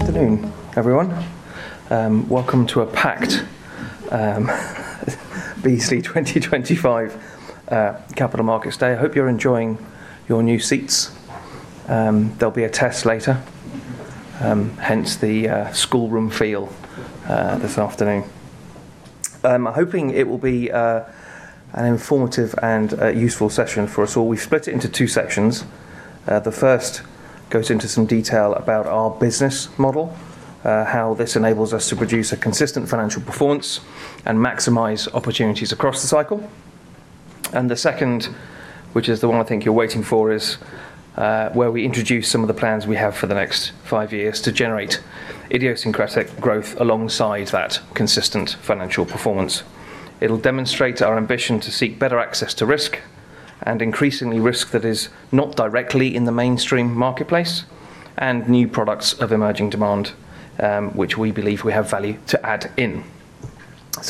Afternoon, everyone. Welcome to a packed Beazley 2025 Capital Markets Day. I hope you're enjoying your new seats. There'll be a test later, hence the schoolroom feel this afternoon. I'm hoping it will be an informative and useful session for us all. We've split it into two sections. The first goes into some detail about our business model, how this enables us to produce a consistent financial performance and maximize opportunities across the cycle. The second, which is the one I think you're waiting for, is where we introduce some of the plans we have for the next five years to generate idiosyncratic growth alongside that consistent financial performance. It'll demonstrate our ambition to seek better access to risk and increasingly risk that is not directly in the mainstream marketplace and new products of emerging demand, which we believe we have value to add in.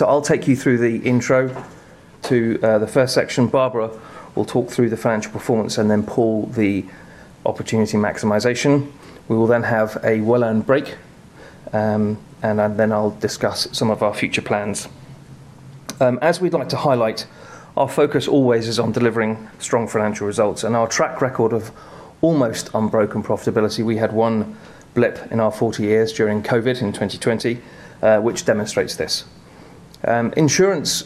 I'll take you through the intro to the first section. Barbara will talk through the financial performance and then Paul, the opportunity maximization. We will then have a well-earned break, and then I'll discuss some of our future plans. As we'd like to highlight, our focus always is on delivering strong financial results and our track record of almost unbroken profitability. We had one blip in our 40 years during COVID in 2020, which demonstrates this. Insurance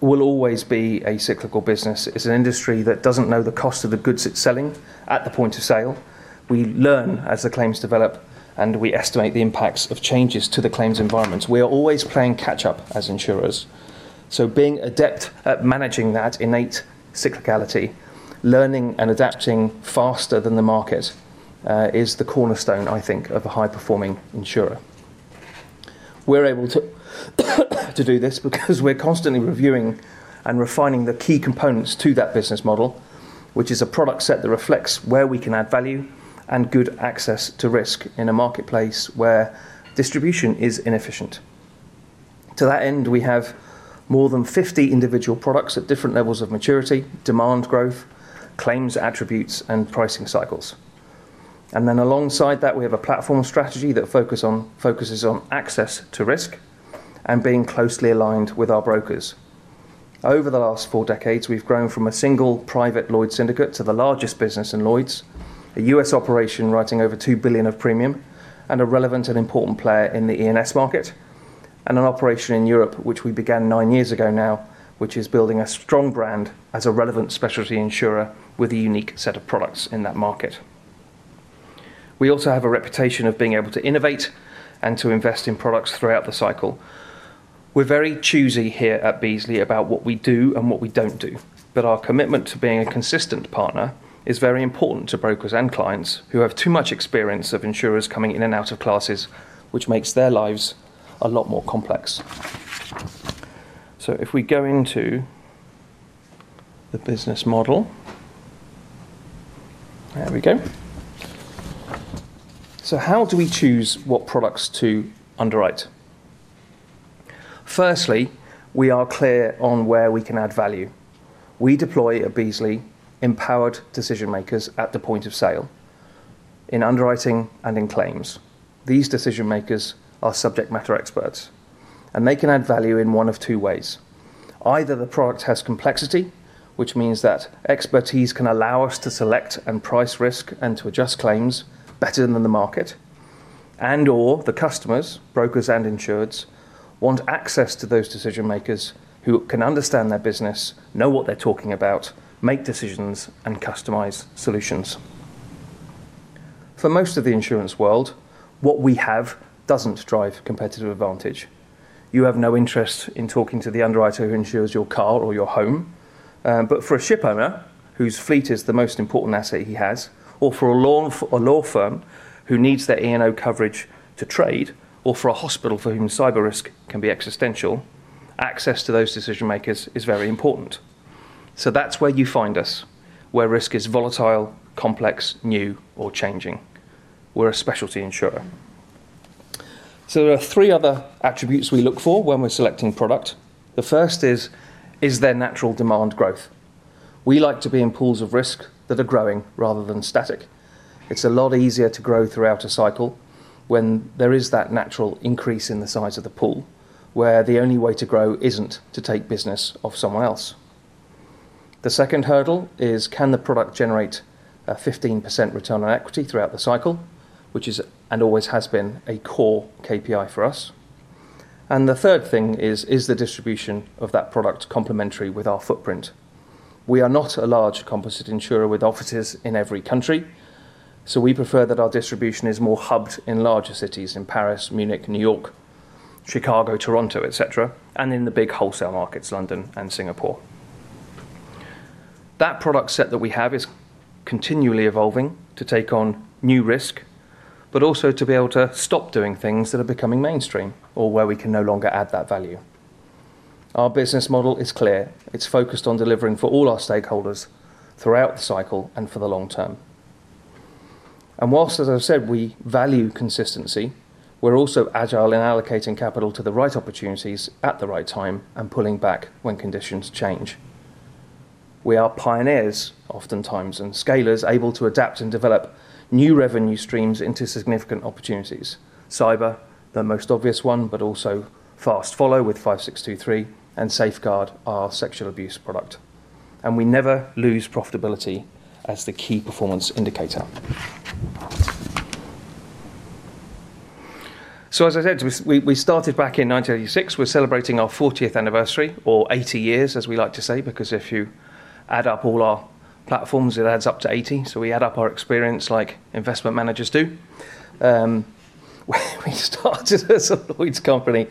will always be a cyclical business. It's an industry that doesn't know the cost of the goods it's selling at the point of sale. We learn as the claims develop, and we estimate the impacts of changes to the claims environment. We are always playing catch-up as insurers. Being adept at managing that innate cyclicality, learning and adapting faster than the market, is the cornerstone, I think, of a high-performing insurer. We're able to do this because we're constantly reviewing and refining the key components to that business model, which is a product set that reflects where we can add value and good access to risk in a marketplace where distribution is inefficient. To that end, we have more than 50 individual products at different levels of maturity, demand growth, claims attributes, and pricing cycles. Alongside that, we have a platform strategy that focuses on access to risk and being closely aligned with our brokers. Over the last four decades, we've grown from a single private Lloyd's syndicate to the largest business in Lloyd's, a U.S. operation writing over $2 billion of premium and a relevant and important player in the E&S market, and an operation in Europe, which we began nine years ago now, which is building a strong brand as a relevant specialty insurer with a unique set of products in that market. We also have a reputation of being able to innovate and to invest in products throughout the cycle. We're very choosy here at Beazley about what we do and what we don't do, but our commitment to being a consistent partner is very important to brokers and clients who have too much experience of insurers coming in and out of classes, which makes their lives a lot more complex. If we go into the business model, there we go. How do we choose what products to underwrite? Firstly, we are clear on where we can add value. We deploy at Beazley empowered decision-makers at the point of sale, in underwriting and in claims. These decision-makers are subject matter experts, and they can add value in one of two ways. Either the product has complexity, which means that expertise can allow us to select and price risk and to adjust claims better than the market, and/or the customers, brokers, and insureds want access to those decision-makers who can understand their business, know what they're talking about, make decisions, and customize solutions. For most of the insurance world, what we have doesn't drive competitive advantage. You have no interest in talking to the underwriter who insures your car or your home, but for a shipowner whose fleet is the most important asset he has, or for a law firm who needs their E&O coverage to trade, or for a hospital for whom cyber risk can be existential, access to those decision-makers is very important. That is where you find us, where risk is volatile, complex, new, or changing. We are a specialty insurer. There are three other attributes we look for when we are selecting product. The first is, is there natural demand growth? We like to be in pools of risk that are growing rather than static. It is a lot easier to grow throughout a cycle when there is that natural increase in the size of the pool, where the only way to grow is not to take business off someone else. The second hurdle is, can the product generate a 15% return on equity throughout the cycle, which is and always has been a core KPI for us? The third thing is, is the distribution of that product complementary with our footprint? We are not a large composite insurer with offices in every country, so we prefer that our distribution is more hubbed in larger cities in Paris, Munich, New York, Chicago, Toronto, etc., and in the big wholesale markets, London and Singapore. That product set that we have is continually evolving to take on new risk, but also to be able to stop doing things that are becoming mainstream or where we can no longer add that value. Our business model is clear. It's focused on delivering for all our stakeholders throughout the cycle and for the long term. Whilst, as I've said, we value consistency, we're also agile in allocating capital to the right opportunities at the right time and pulling back when conditions change. We are pioneers oftentimes and scalers able to adapt and develop new revenue streams into significant opportunities: cyber, the most obvious one, but also fast follow with 623 and Safeguard, our sexual abuse product. We never lose profitability as the key performance indicator. As I said, we started back in 1986. We're celebrating our 40th anniversary, or 80 years, as we like to say, because if you add up all our platforms, it adds up to 80. We add up our experience like investment managers do. We started as a Lloyd's company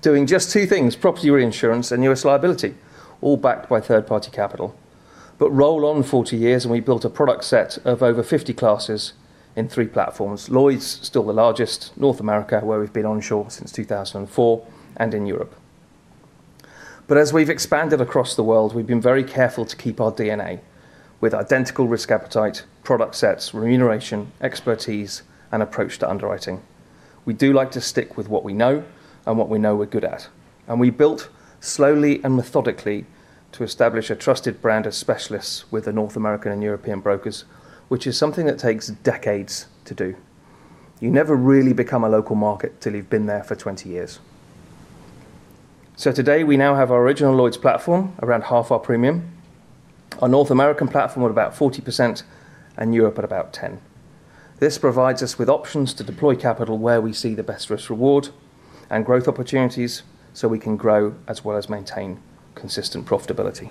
doing just two things: property reinsurance and U.S. liability, all backed by third-party capital. Roll on 40 years, and we built a product set of over 50 classes in three platforms. Lloyd's is still the largest. North America, where we've been onshore since 2004, and in Europe. As we've expanded across the world, we've been very careful to keep our DNA with identical risk appetite, product sets, remuneration, expertise, and approach to underwriting. We do like to stick with what we know and what we know we're good at. We built slowly and methodically to establish a trusted brand of specialists with the North American and European brokers, which is something that takes decades to do. You never really become a local market till you've been there for 20 years. Today, we now have our original Lloyd's platform, around half our premium, our North American platform at about 40%, and Europe at about 10%. This provides us with options to deploy capital where we see the best risk-reward and growth opportunities so we can grow as well as maintain consistent profitability.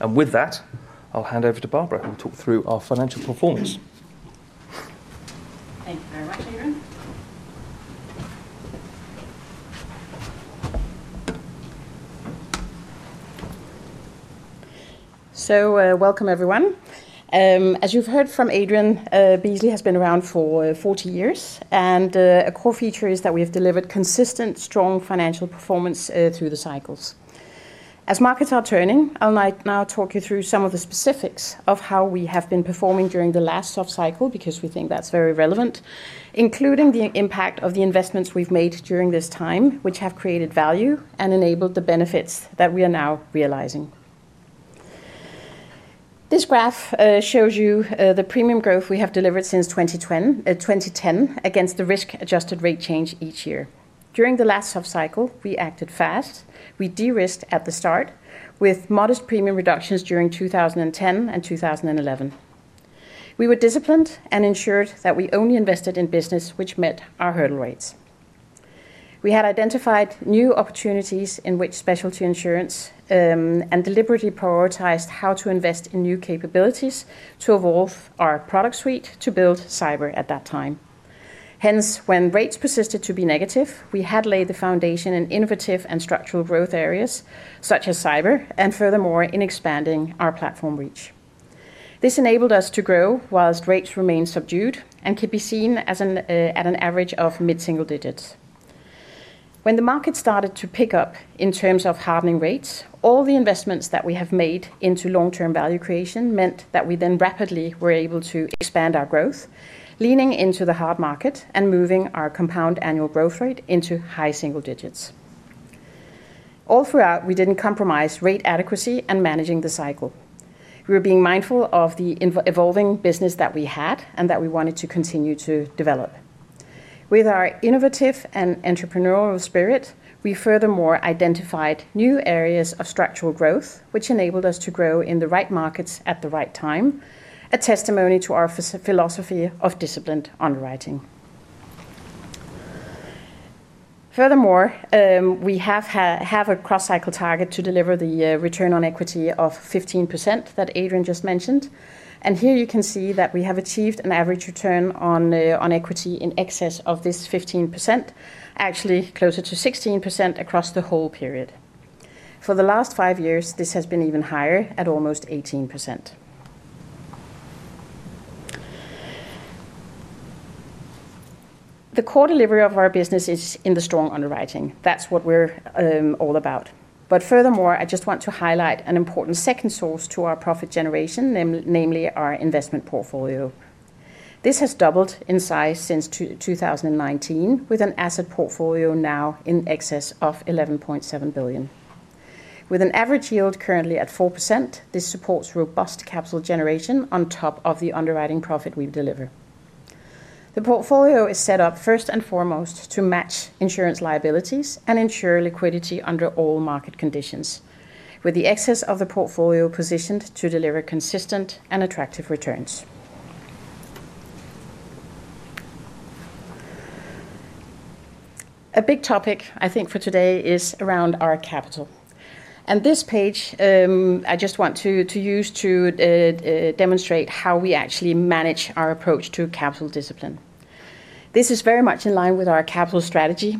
With that, I'll hand over to Barbara, who will talk through our financial performance. Thank you very much, Adrian. Welcome, everyone. As you've heard from Adrian, Beazley has been around for 40 years, and a core feature is that we have delivered consistent, strong financial performance through the cycles. As markets are turning, I'll now talk you through some of the specifics of how we have been performing during the last soft cycle, because we think that's very relevant, including the impact of the investments we've made during this time, which have created value and enabled the benefits that we are now realizing. This graph shows you the premium growth we have delivered since 2010, 2010 against the risk-adjusted rate change each year. During the last soft cycle, we acted fast. We de-risked at the start with modest premium reductions during 2010 and 2011. We were disciplined and ensured that we only invested in business which met our hurdle rates. We had identified new opportunities in which specialty insurance, and deliberately prioritized how to invest in new capabilities to evolve our product suite to build cyber at that time. Hence, when rates persisted to be negative, we had laid the foundation in innovative and structural growth areas such as cyber and furthermore in expanding our platform reach. This enabled us to grow whilst rates remained subdued and could be seen as an, at an average of mid-single digits. When the market started to pick up in terms of hardening rates, all the investments that we have made into long-term value creation meant that we then rapidly were able to expand our growth, leaning into the hard market and moving our compound annual growth rate into high single digits. All throughout, we didn't compromise rate adequacy and managing the cycle. We were being mindful of the evolving business that we had and that we wanted to continue to develop. With our innovative and entrepreneurial spirit, we furthermore identified new areas of structural growth, which enabled us to grow in the right markets at the right time, a testimony to our philosophy of disciplined underwriting. Furthermore, we have a cross-cycle target to deliver the return on equity of 15% that Adrian just mentioned. Here you can see that we have achieved an average return on equity in excess of this 15%, actually closer to 16% across the whole period. For the last five years, this has been even higher at almost 18%. The core delivery of our business is in the strong underwriting. That is what we are all about. Furthermore, I just want to highlight an important second source to our profit generation, namely our investment portfolio. This has doubled in size since 2019, with an asset portfolio now in excess of $11.7 billion. With an average yield currently at 4%, this supports robust capital generation on top of the underwriting profit we deliver. The portfolio is set up first and foremost to match insurance liabilities and ensure liquidity under all market conditions, with the excess of the portfolio positioned to deliver consistent and attractive returns. A big topic, I think, for today is around our capital. This page, I just want to use to demonstrate how we actually manage our approach to capital discipline. This is very much in line with our capital strategy,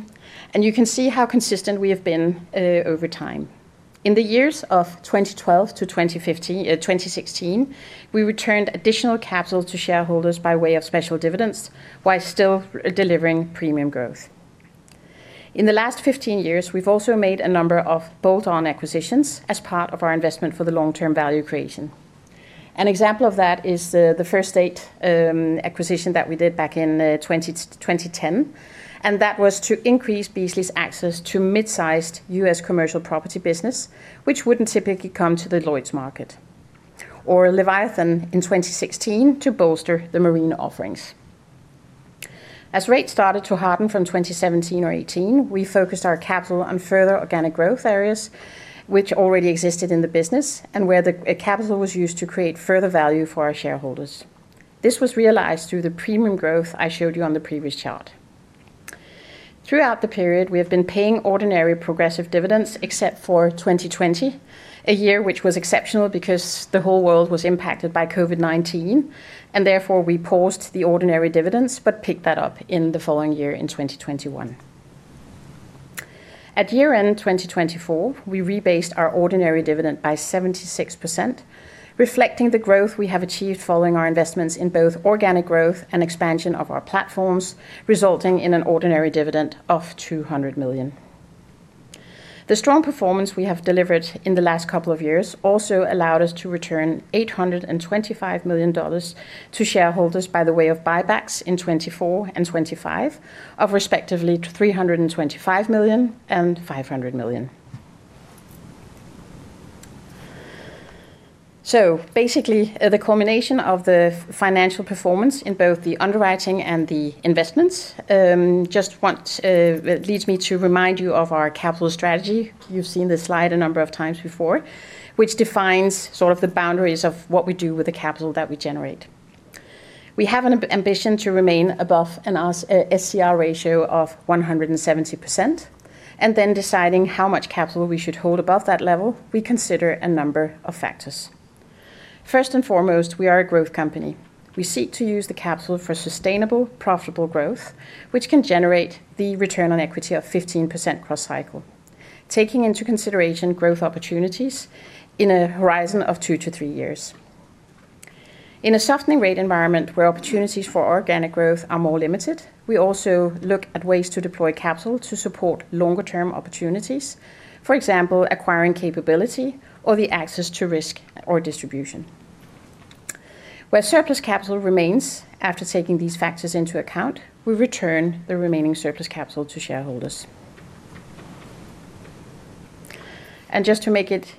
and you can see how consistent we have been over time. In the years of 2012 to 2015, 2016, we returned additional capital to shareholders by way of special dividends, while still delivering premium growth. In the last 15 years, we've also made a number of bolt-on acquisitions as part of our investment for the long-term value creation. An example of that is the First State Management Group acquisition that we did back in 2010, and that was to increase Beazley's access to mid-sized U.S. commercial property business, which wouldn't typically come to the Lloyd's market, or Leviathan in 2016 to bolster the marine offerings. As rates started to harden from 2017 or 2018, we focused our capital on further organic growth areas which already existed in the business and where the capital was used to create further value for our shareholders. This was realized through the premium growth I showed you on the previous chart. Throughout the period, we have been paying ordinary progressive dividends except for 2020, a year which was exceptional because the whole world was impacted by COVID-19, and therefore we paused the ordinary dividends but picked that up in the following year in 2021. At year-end 2024, we rebased our ordinary dividend by 76%, reflecting the growth we have achieved following our investments in both organic growth and expansion of our platforms, resulting in an ordinary dividend of $200 million. The strong performance we have delivered in the last couple of years also allowed us to return $825 million to shareholders by the way of buybacks in 2024 and 2025 of respectively $325 million and $500 million. Basically, the culmination of the financial performance in both the underwriting and the investments, just want, it leads me to remind you of our capital strategy. You've seen this slide a number of times before, which defines sort of the boundaries of what we do with the capital that we generate. We have an ambition to remain above an SCR ratio of 170%, and then deciding how much capital we should hold above that level, we consider a number of factors. First and foremost, we are a growth company. We seek to use the capital for sustainable, profitable growth, which can generate the return on equity of 15% cross-cycle, taking into consideration growth opportunities in a horizon of two to three years. In a softening rate environment where opportunities for organic growth are more limited, we also look at ways to deploy capital to support longer-term opportunities, for example, acquiring capability or the access to risk or distribution. Where surplus capital remains, after taking these factors into account, we return the remaining surplus capital to shareholders. Just to make it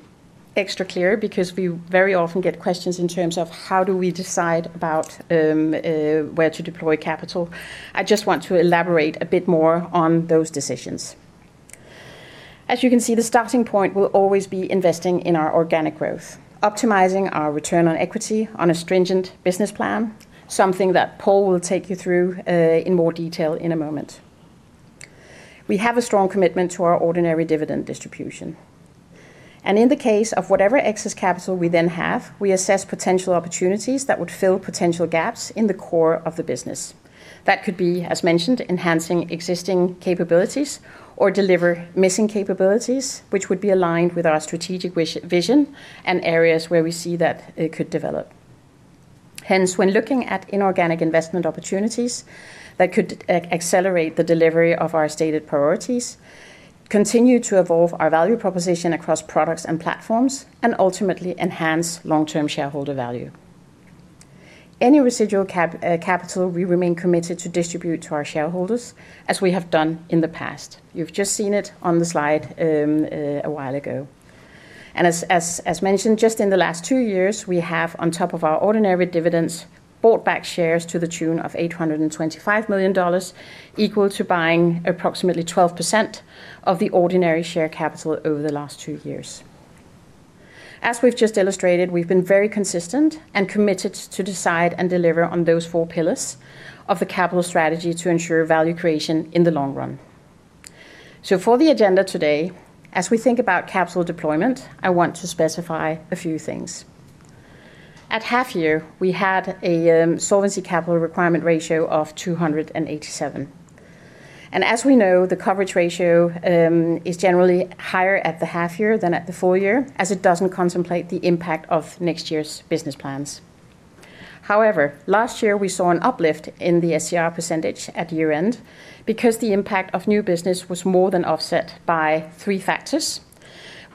extra clear, because we very often get questions in terms of how do we decide about where to deploy capital, I just want to elaborate a bit more on those decisions. As you can see, the starting point will always be investing in our organic growth, optimizing our return on equity on a stringent business plan, something that Paul will take you through in more detail in a moment. We have a strong commitment to our ordinary dividend distribution. In the case of whatever excess capital we then have, we assess potential opportunities that would fill potential gaps in the core of the business. That could be, as mentioned, enhancing existing capabilities or deliver missing capabilities, which would be aligned with our strategic vision and areas where we see that it could develop. Hence, when looking at inorganic investment opportunities that could accelerate the delivery of our stated priorities, continue to evolve our value proposition across products and platforms, and ultimately enhance long-term shareholder value. Any residual capital we remain committed to distribute to our shareholders, as we have done in the past. You have just seen it on the slide, a while ago. As mentioned, just in the last two years, we have, on top of our ordinary dividends, bought back shares to the tune of $825 million, equal to buying approximately 12% of the ordinary share capital over the last two years. As we've just illustrated, we've been very consistent and committed to decide and deliver on those four pillars of the capital strategy to ensure value creation in the long run. For the agenda today, as we think about capital deployment, I want to specify a few things. At half-year, we had a solvency capital requirement ratio of 287. As we know, the coverage ratio is generally higher at the half-year than at the full year, as it does not contemplate the impact of next year's business plans. However, last year, we saw an uplift in the SCR percentage at year-end because the impact of new business was more than offset by three factors.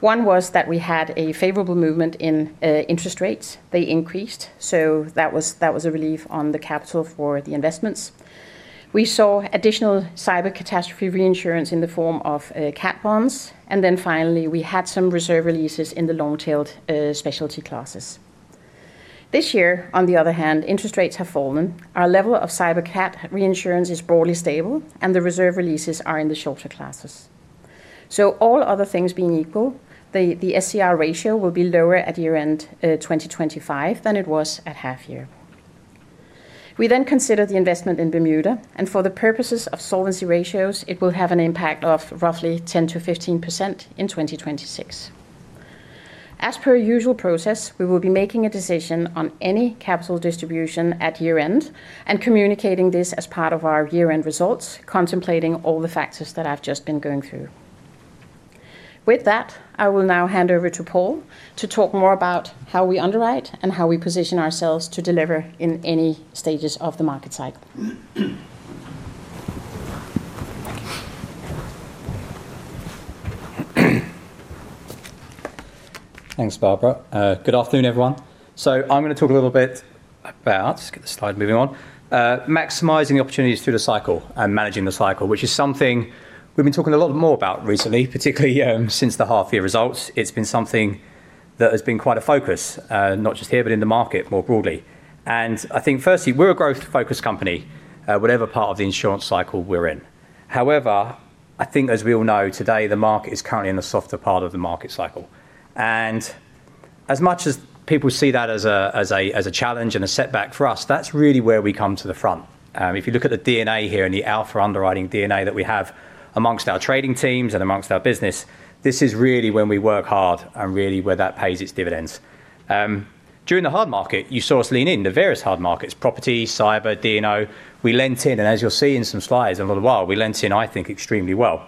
One was that we had a favorable movement in interest rates. They increased, so that was a relief on the capital for the investments. We saw additional cyber catastrophe reinsurance in the form of cat bonds, and then finally, we had some reserve releases in the long-tailed specialty classes. This year, on the other hand, interest rates have fallen. Our level of cyber cap reinsurance is broadly stable, and the reserve releases are in the shorter classes. All other things being equal, the SCR ratio will be lower at year-end 2025 than it was at half-year. We then considered the investment in Bermuda, and for the purposes of solvency ratios, it will have an impact of roughly 10%-15% in 2026. As per usual process, we will be making a decision on any capital distribution at year-end and communicating this as part of our year-end results, contemplating all the factors that I've just been going through. With that, I will now hand over to Paul to talk more about how we underwrite and how we position ourselves to deliver in any stages of the market cycle. Thanks, Barbara. Good afternoon, everyone. I'm gonna talk a little bit about, just get the slide moving on, maximizing the opportunities through the cycle and managing the cycle, which is something we've been talking a lot more about recently, particularly since the half-year results. It's been something that has been quite a focus, not just here, but in the market more broadly. I think, firstly, we're a growth-focused company, whatever part of the insurance cycle we're in. However, I think, as we all know, today, the market is currently in the softer part of the market cycle. As much as people see that as a, as a, as a challenge and a setback for us, that's really where we come to the front. If you look at the DNA here and the alpha underwriting DNA that we have amongst our trading teams and amongst our business, this is really when we work hard and really where that pays its dividends. During the hard market, you saw us lean into various hard markets: property, cyber, D&O. We lent in, and as you'll see in some slides in a little while, we lent in, I think, extremely well.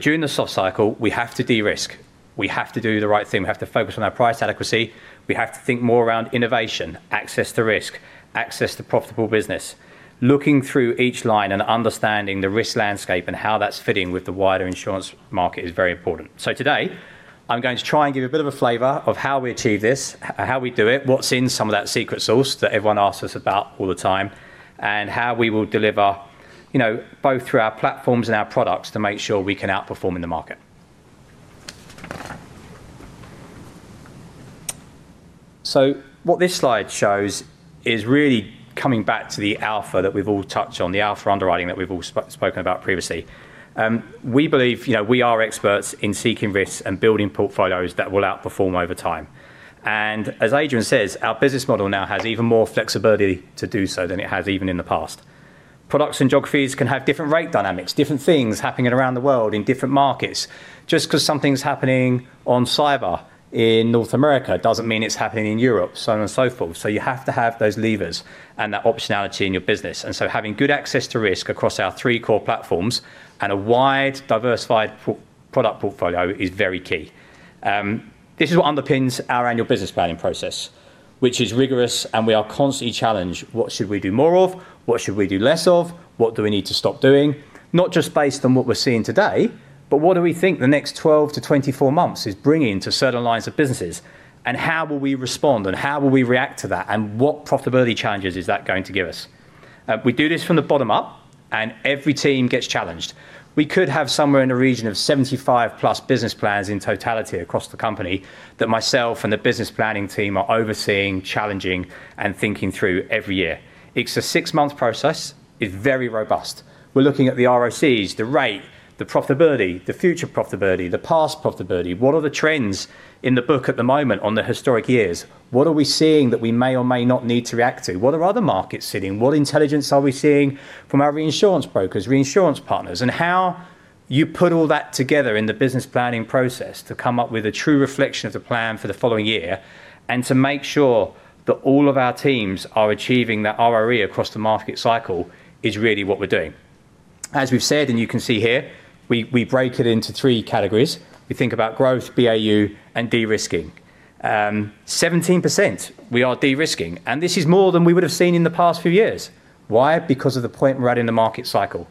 During the soft cycle, we have to de-risk. We have to do the right thing. We have to focus on our price adequacy. We have to think more around innovation, access to risk, access to profitable business. Looking through each line and understanding the risk landscape and how that's fitting with the wider insurance market is very important. Today, I'm going to try and give you a bit of a flavor of how we achieve this, how we do it, what's in some of that secret sauce that everyone asks us about all the time, and how we will deliver, you know, both through our platforms and our products to make sure we can outperform in the market. What this slide shows is really coming back to the alpha that we've all touched on, the alpha underwriting that we've all spoken about previously. We believe, you know, we are experts in seeking risks and building portfolios that will outperform over time. As Adrian says, our business model now has even more flexibility to do so than it has even in the past. Products and geographies can have different rate dynamics, different things happening around the world in different markets. Just 'cause something's happening on cyber in North America doesn't mean it's happening in Europe, so on and so forth. You have to have those levers and that optionality in your business. Having good access to risk across our three core platforms and a wide, diversified product portfolio is very key. This is what underpins our annual business planning process, which is rigorous, and we are constantly challenged. What should we do more of? What should we do less of? What do we need to stop doing? Not just based on what we're seeing today, but what do we think the next 12 to 24 months is bringing to certain lines of businesses, and how will we respond, and how will we react to that, and what profitability challenges is that going to give us? We do this from the bottom up, and every team gets challenged. + We could have somewhere in the region of 75+ business plans in totality across the company that myself and the business planning team are overseeing, challenging, and thinking through every year. It's a six-month process. It's very robust. We're looking at the ROCs, the rate, the profitability, the future profitability, the past profitability. What are the trends in the book at the moment on the historic years? What are we seeing that we may or may not need to react to? What are other markets seeing? What intelligence are we seeing from our reinsurance brokers, reinsurance partners, and how you put all that together in the business planning process to come up with a true reflection of the plan for the following year and to make sure that all of our teams are achieving that ROE across the market cycle is really what we're doing. As we've said, and you can see here, we break it into three categories. We think about growth, BAU, and de-risking. 17% we are de-risking, and this is more than we would have seen in the past few years. Why? Because of the point we're at in the market cycle.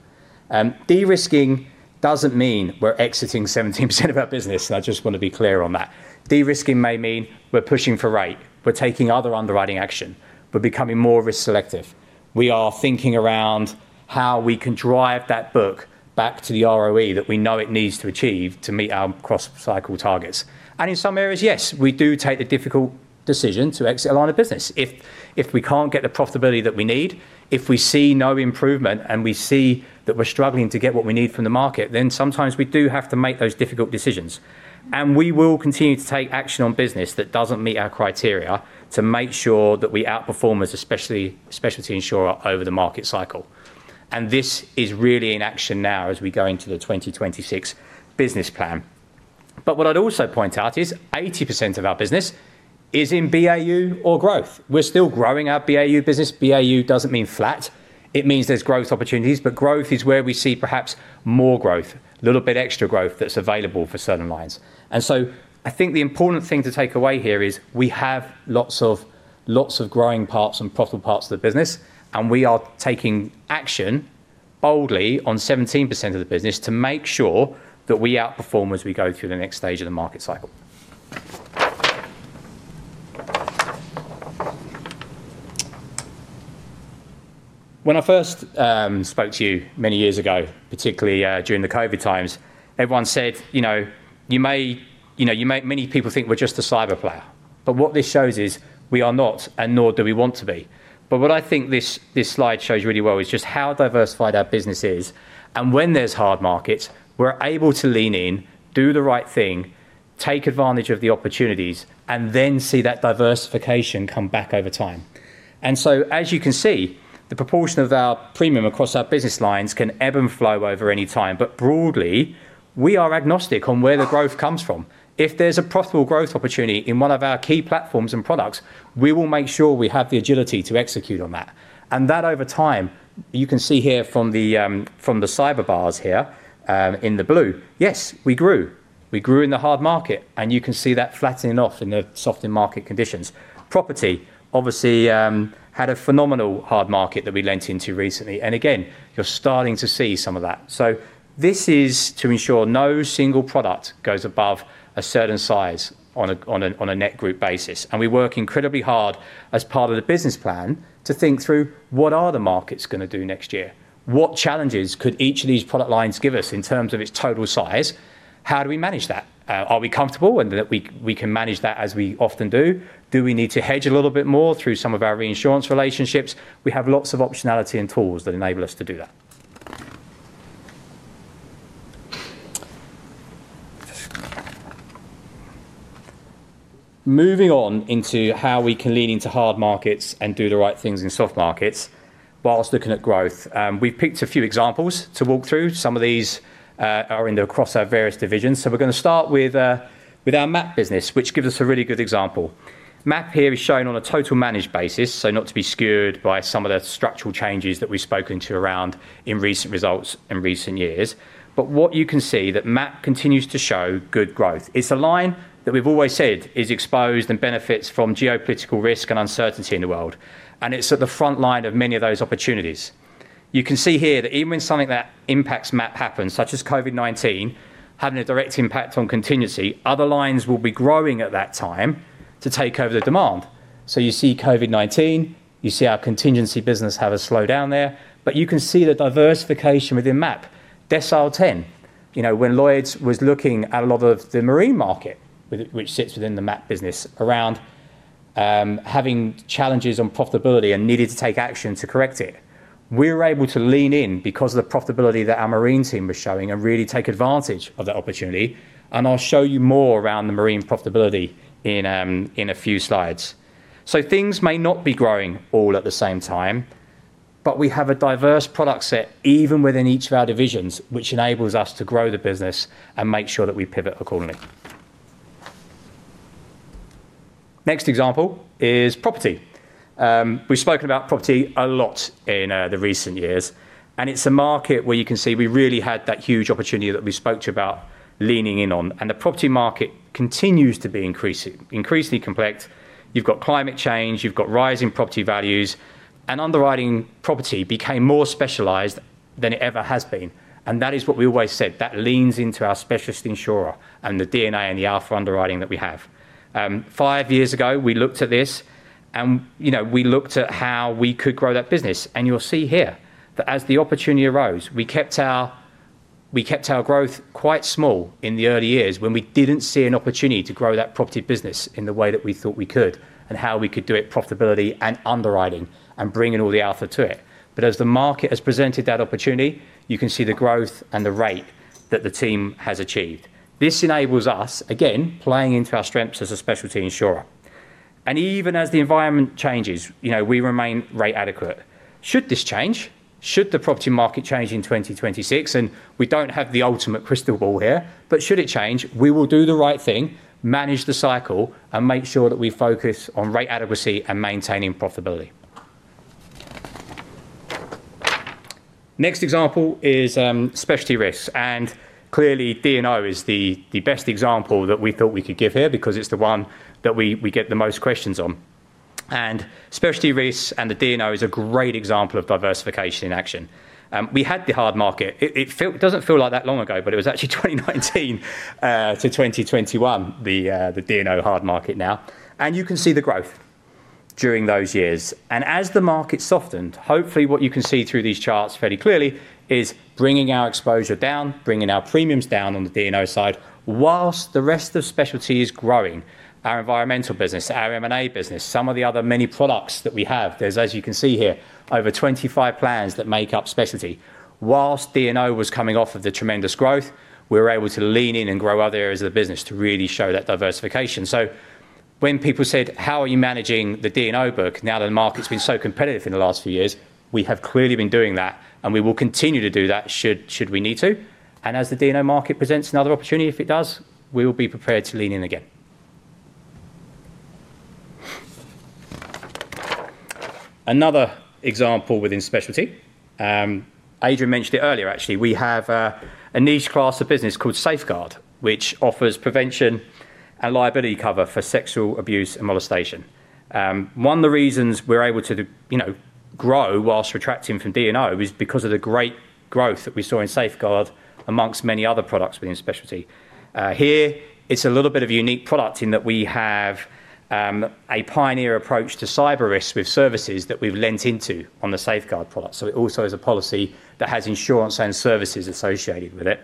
De-risking doesn't mean we're exiting 17% of our business. I just want to be clear on that. De-risking may mean we're pushing for rate. We're taking other underwriting action. We're becoming more risk selective. We are thinking around how we can drive that book back to the ROE that we know it needs to achieve to meet our cross-cycle targets. In some areas, yes, we do take the difficult decision to exit a line of business. If we can't get the profitability that we need, if we see no improvement and we see that we're struggling to get what we need from the market, then sometimes we do have to make those difficult decisions. We will continue to take action on business that doesn't meet our criteria to make sure that we outperform as a specialty insurer over the market cycle. This is really in action now as we go into the 2026 business plan. What I'd also point out is 80% of our business is in BAU or growth. We're still growing our BAU business. BAU doesn't mean flat. It means there's growth opportunities, but growth is where we see perhaps more growth, a little bit extra growth that's available for certain lines. I think the important thing to take away here is we have lots of, lots of growing parts and profitable parts of the business, and we are taking action boldly on 17% of the business to make sure that we outperform as we go through the next stage of the market cycle. When I first spoke to you many years ago, particularly during the COVID times, everyone said, you know, you may, you know, you may, many people think we're just a cyber player. What this shows is we are not, and nor do we want to be. What I think this slide shows really well is just how diversified our business is. When there's hard markets, we're able to lean in, do the right thing, take advantage of the opportunities, and then see that diversification come back over time. As you can see, the proportion of our premium across our business lines can ebb and flow over any time, but broadly, we are agnostic on where the growth comes from. If there is a profitable growth opportunity in one of our key platforms and products, we will make sure we have the agility to execute on that. Over time, you can see here from the cyber bars here, in the blue, yes, we grew. We grew in the hard market, and you can see that flattening off in the softened market conditions. Property, obviously, had a phenomenal hard market that we lent into recently. You are starting to see some of that. This is to ensure no single product goes above a certain size on a net group basis. We work incredibly hard as part of the business plan to think through what are the markets gonna do next year? What challenges could each of these product lines give us in terms of its total size? How do we manage that? Are we comfortable that we can manage that as we often do? Do we need to hedge a little bit more through some of our reinsurance relationships? We have lots of optionality and tools that enable us to do that. Moving on into how we can lean into hard markets and do the right things in soft markets whilst looking at growth, we've picked a few examples to walk through. Some of these are across our various divisions. We're gonna start with our MAP business, which gives us a really good example. MAP here is shown on a total managed basis, so not to be skewed by some of the structural changes that we've spoken to around in recent results in recent years. What you can see is that MAP continues to show good growth. It's a line that we've always said is exposed and benefits from geopolitical risk and uncertainty in the world, and it's at the front line of many of those opportunities. You can see here that even when something that impacts MAP happens, such as COVID-19, having a direct impact on contingency, other lines will be growing at that time to take over the demand. You see COVID-19, you see our contingency business have a slowdown there, but you can see the diversification within MAP. Decile 10, you know, when Lloyd's was looking at a lot of the marine market, which sits within the MAP business around, having challenges on profitability and needed to take action to correct it, we were able to lean in because of the profitability that our marine team was showing and really take advantage of that opportunity. I'll show you more around the marine profitability in a few slides. Things may not be growing all at the same time, but we have a diverse product set even within each of our divisions, which enables us to grow the business and make sure that we pivot accordingly. Next example is property. We've spoken about property a lot in the recent years, and it's a market where you can see we really had that huge opportunity that we spoke to about leaning in on, and the property market continues to be increasingly complex. You've got climate change, you've got rising property values, and underwriting property became more specialized than it ever has been. That is what we always said, that leans into our specialist insurer and the DNA and the alpha underwriting that we have. Five years ago, we looked at this and, you know, we looked at how we could grow that business. You will see here that as the opportunity arose, we kept our growth quite small in the early years when we did not see an opportunity to grow that property business in the way that we thought we could and how we could do it, profitability and underwriting and bringing all the alpha to it. As the market has presented that opportunity, you can see the growth and the rate that the team has achieved. This enables us, again, playing into our strengths as a specialty insurer. Even as the environment changes, you know, we remain rate adequate. Should this change? Should the property market change in 2026? We do not have the ultimate crystal ball here, but should it change, we will do the right thing, manage the cycle, and make sure that we focus on rate adequacy and maintaining profitability. Next example is specialty risks. Clearly, D&O is the best example that we thought we could give here because it's the one that we get the most questions on. Specialty risks and the D&O is a great example of diversification in action. We had the hard market. It does not feel like that long ago, but it was actually 2019 to 2021, the D&O hard market. You can see the growth during those years. As the market softened, hopefully what you can see through these charts fairly clearly is bringing our exposure down, bringing our premiums down on the D&O side whilst the rest of specialty is growing. Our environmental business, our M&A business, some of the other many products that we have, there are, as you can see here, over 25 plans that make up specialty. Whilst D&O was coming off of the tremendous growth, we were able to lean in and grow other areas of the business to really show that diversification. When people said, how are you managing the D&O book now that the market's been so competitive in the last few years? We have clearly been doing that, and we will continue to do that should we need to. As the D&O market presents another opportunity, if it does, we will be prepared to lean in again. Another example within specialty, Adrian mentioned it earlier, actually. We have a niche class of business called Safeguard, which offers prevention and liability cover for sexual abuse and molestation. One of the reasons we're able to, you know, grow whilst retracting from D&O is because of the great growth that we saw in Safeguard amongst many other products within specialty. Here, it's a little bit of a unique product in that we have a pioneer approach to cyber risks with services that we've lent into on the Safeguard product. So it also is a policy that has insurance and services associated with it.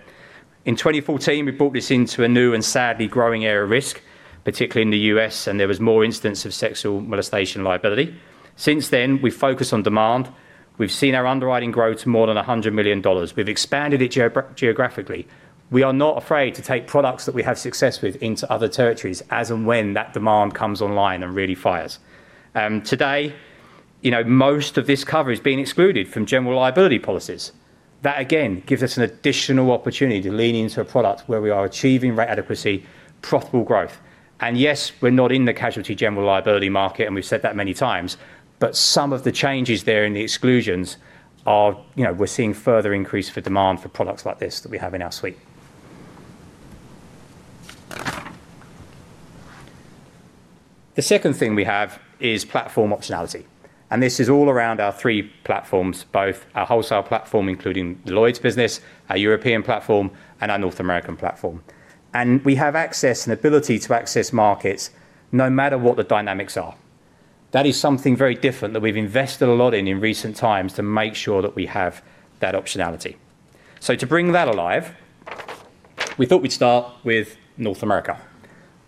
In 2014, we brought this into a new and sadly growing area of risk, particularly in the U.S., and there was more incidents of sexual molestation liability. Since then, we've focused on demand. We've seen our underwriting grow to more than $100 million. We've expanded it geo-geographically. We are not afraid to take products that we have success with into other territories as and when that demand comes online and really fires. Today, you know, most of this cover is being excluded from general liability policies. That again gives us an additional opportunity to lean into a product where we are achieving rate adequacy, profitable growth. Yes, we're not in the casualty general liability market, and we've said that many times, but some of the changes there in the exclusions are, you know, we're seeing further increase for demand for products like this that we have in our suite. The second thing we have is platform optionality. This is all around our three platforms, both our wholesale platform, including the Lloyd's business, our European platform, and our North American platform. We have access and ability to access markets no matter what the dynamics are. That is something very different that we've invested a lot in in recent times to make sure that we have that optionality. To bring that alive, we thought we'd start with North America,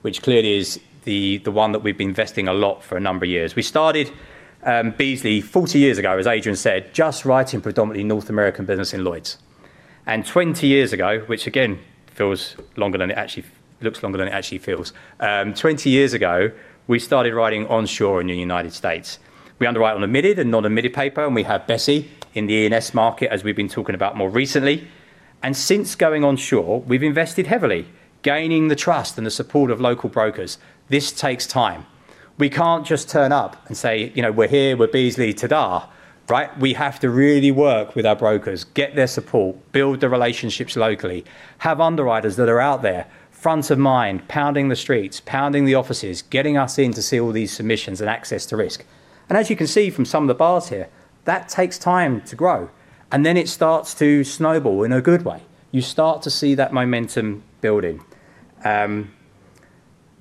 which clearly is the one that we've been investing a lot for a number of years. We started, Beazley, 40 years ago, as Adrian said, just writing predominantly North American business in Lloyd's. Twenty years ago, which again feels longer than it actually looks, longer than it actually feels, twenty years ago, we started writing onshore in the United States. We underwrite on admitted and non-admitted paper, and we have Beazley in the E&S market as we've been talking about more recently. Since going onshore, we've invested heavily, gaining the trust and the support of local brokers. This takes time. We can't just turn up and say, you know, we're here, we're Beazley, ta-da, right? We have to really work with our brokers, get their support, build the relationships locally, have underwriters that are out there, front of mind, pounding the streets, pounding the offices, getting us in to see all these submissions and access to risk. As you can see from some of the bars here, that takes time to grow. Then it starts to snowball in a good way. You start to see that momentum building.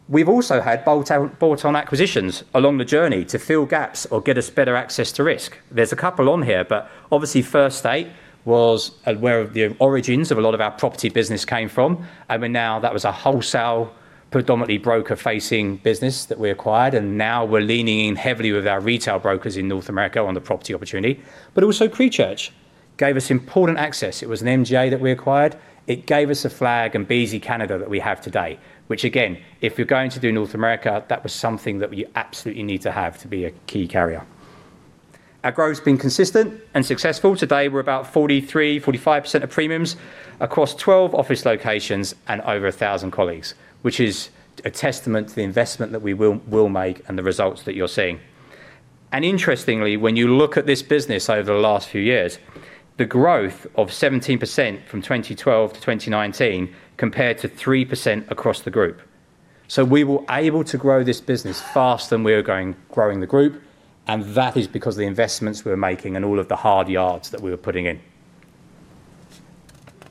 We've also had bolt-on, bolt-on acquisitions along the journey to fill gaps or get us better access to risk. There's a couple on here, but obviously First State was where the origins of a lot of our property business came from. We are now, that was a wholesale, predominantly broker-facing business that we acquired. Now we're leaning in heavily with our retail brokers in North America on the property opportunity. Also, Creechurch gave us important access. It was an MGA that we acquired. It gave us a flag and Beazley Canada that we have today, which again, if you're going to do North America, that was something that you absolutely need to have to be a key carrier. Our growth has been consistent and successful. Today, we're about 43%-45% of premiums across 12 office locations and over 1,000 colleagues, which is a testament to the investment that we will make and the results that you're seeing. Interestingly, when you look at this business over the last few years, the growth of 17% from 2012 to 2019 compared to 3% across the group. We were able to grow this business faster than we were growing the group. That is because of the investments we were making and all of the hard yards that we were putting in.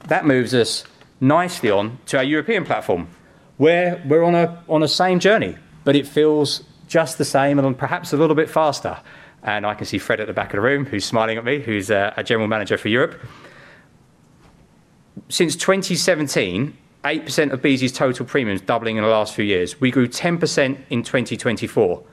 That moves us nicely on to our European platform, where we're on a same journey, but it feels just the same and perhaps a little bit faster. I can see Freddy at the back of the room who's smiling at me, who's a general manager for Europe. Since 2017, 8% of Beazley's total premiums doubling in the last few years. We grew 10% in 2024.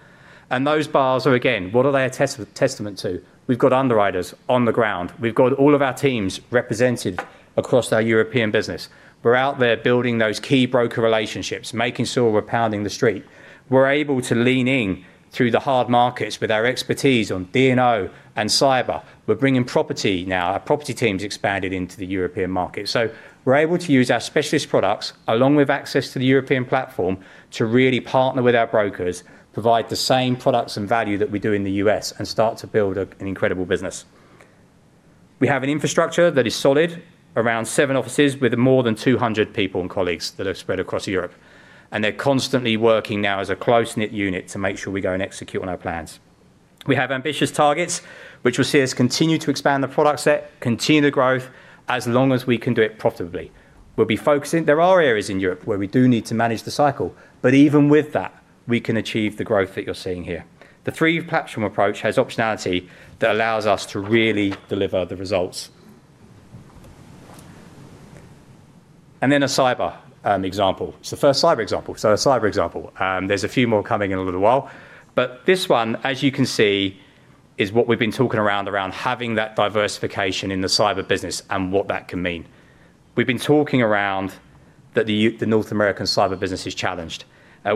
Those bars are again, what are they a testament to? We've got underwriters on the ground. We've got all of our teams represented across our European business. We're out there building those key broker relationships, making sure we're pounding the street. We're able to lean in through the hard markets with our expertise on D&O and cyber. We're bringing property now. Our property teams expanded into the European market. We're able to use our specialist products along with access to the European platform to really partner with our brokers, provide the same products and value that we do in the U.S., and start to build an incredible business. We have an infrastructure that is solid, around seven offices with more than 200 people and colleagues that are spread across Europe. They're constantly working now as a close-knit unit to make sure we go and execute on our plans. We have ambitious targets, which will see us continue to expand the product set, continue the growth as long as we can do it profitably. We'll be focusing. There are areas in Europe where we do need to manage the cycle, but even with that, we can achieve the growth that you're seeing here. The three-platform approach has optionality that allows us to really deliver the results. A cyber example. It is the first cyber example. A cyber example. There are a few more coming in a little while, but this one, as you can see, is what we have been talking around, around having that diversification in the cyber business and what that can mean. We have been talking around that the North American cyber business is challenged.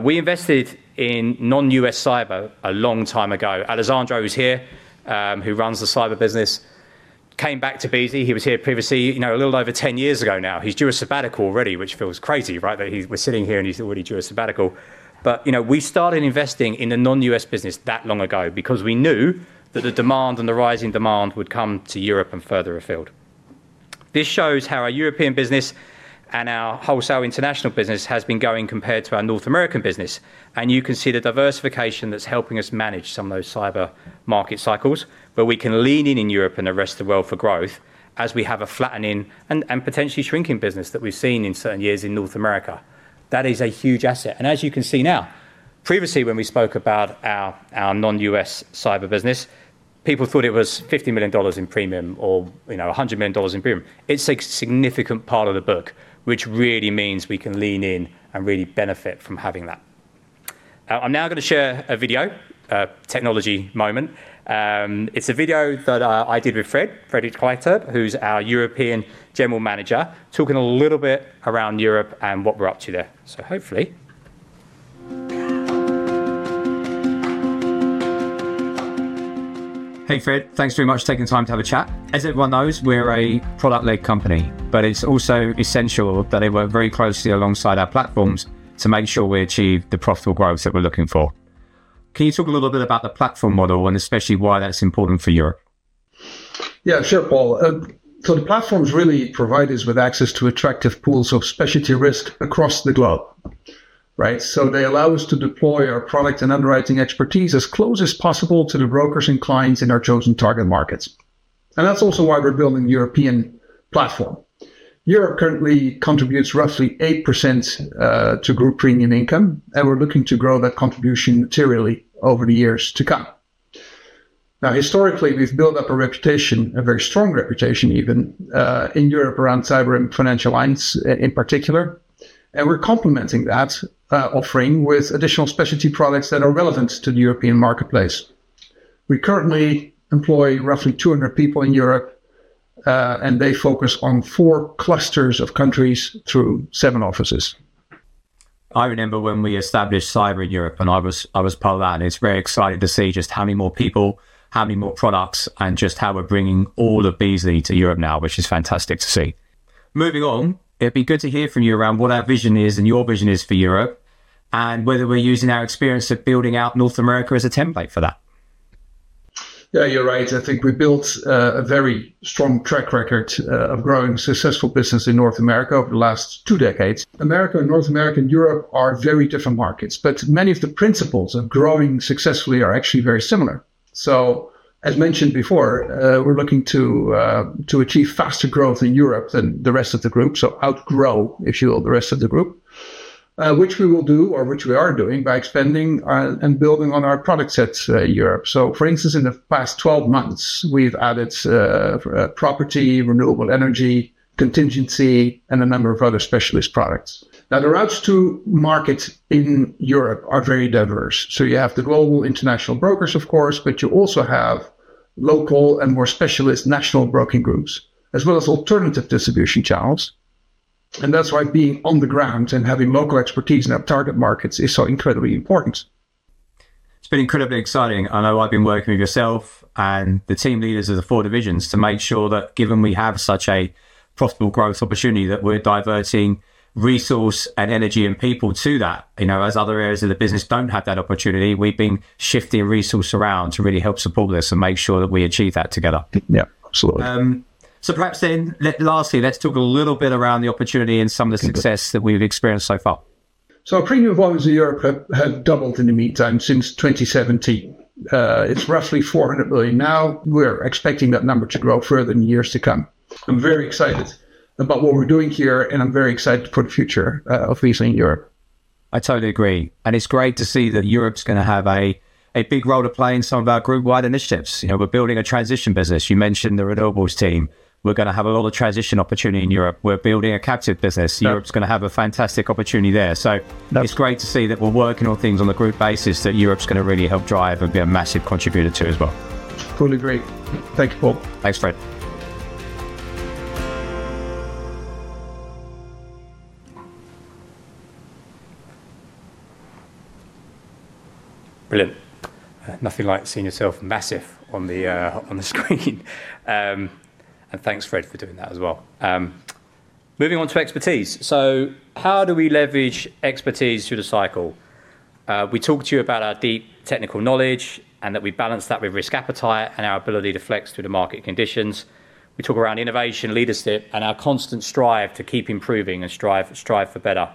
We invested in non-U.S. cyber a long time ago. Alessandro is here, who runs the cyber business, came back to Beazley. He was here previously, you know, a little over 10 years ago now. He has had his sabbatical already, which feels crazy, right? That he is sitting here and he has already had his sabbatical. You know, we started investing in the non-U.S. business that long ago because we knew that the demand and the rising demand would come to Europe and further afield. This shows how our European business and our wholesale international business has been going compared to our North American business. You can see the diversification that's helping us manage some of those cyber market cycles. We can lean in in Europe and the rest of the world for growth as we have a flattening and potentially shrinking business that we've seen in certain years in North America. That is a huge asset. As you can see now, previously when we spoke about our non-U.S. cyber business, people thought it was $50 million in premium or, you know, $100 million in premium. It's a significant part of the book, which really means we can lean in and really benefit from having that. I'm now gonna share a video, technology moment. It's a video that I did with Fred, Frederic Kleiterp, who's our European General Manager, talking a little bit around Europe and what we're up to there. Hopefully. Hey, Fred, thanks very much for taking time to have a chat. As everyone knows, we're a product-led company, but it's also essential that they work very closely alongside our platforms to make sure we achieve the profitable growth that we're looking for. Can you talk a little bit about the platform model and especially why that's important for Europe? Yeah, sure, Paul. The platforms really provide us with access to attractive pools of specialty risk across the globe, right? They allow us to deploy our product and underwriting expertise as close as possible to the brokers and clients in our chosen target markets. That's also why we're building a European platform. Europe currently contributes roughly 8% to group premium income, and we're looking to grow that contribution materially over the years to come. Historically, we've built up a reputation, a very strong reputation even, in Europe around cyber and financial lines in particular. We're complementing that offering with additional specialty products that are relevant to the European marketplace. We currently employ roughly 200 people in Europe, and they focus on four clusters of countries through seven offices. I remember when we established Cyber in Europe and I was part of that. It's very exciting to see just how many more people, how many more products, and just how we're bringing all of Beazley to Europe now, which is fantastic to see. Moving on, it'd be good to hear from you around what our vision is and your vision is for Europe and whether we're using our experience of building out North America as a template for that. Yeah, you're right. I think we built a very strong track record of growing successful business in North America over the last two decades. America and North America and Europe are very different markets, but many of the principles of growing successfully are actually very similar. As mentioned before, we're looking to achieve faster growth in Europe than the rest of the group, so outgrow, if you will, the rest of the group, which we will do or which we are doing by expanding and building on our product sets in Europe. For instance, in the past 12 months, we've added property, renewable energy, contingency, and a number of other specialist products. The routes to market in Europe are very diverse. You have the global international brokers, of course, but you also have local and more specialist national broking groups as well as alternative distribution channels. That's why being on the ground and having local expertise in our target markets is so incredibly important. It's been incredibly exciting. I know I've been working with yourself and the team leaders of the four divisions to make sure that given we have such a profitable growth opportunity that we're diverting resource and energy and people to that. You know, as other areas of the business don't have that opportunity, we've been shifting resource around to really help support this and make sure that we achieve that together. Yeah, absolutely. Perhaps then lastly, let's talk a little bit around the opportunity and some of the success that we've experienced so far. Our premium volumes in Europe have doubled in the meantime since 2017. It's roughly $400 million now. We're expecting that number to grow further in the years to come. I'm very excited about what we're doing here, and I'm very excited for the future of Beazley in Europe. I totally agree. It's great to see that Europe is gonna have a big role to play in some of our group-wide initiatives. You know, we're building a transition business. You mentioned the renewables team. We're gonna have a lot of transition opportunity in Europe. We're building a captive business. Europe's gonna have a fantastic opportunity there. It's great to see that we're working on things on a group basis that Europe's gonna really help drive and be a massive contributor to as well. Fully agree. Thank you, Paul. Thanks, Fred. Brilliant. Nothing like seeing yourself massive on the screen. And thanks, Fred, for doing that as well. Moving on to expertise. How do we leverage expertise through the cycle? We talked to you about our deep technical knowledge and that we balance that with risk appetite and our ability to flex through the market conditions. We talk around innovation, leadership, and our constant strive to keep improving and strive, strive for better.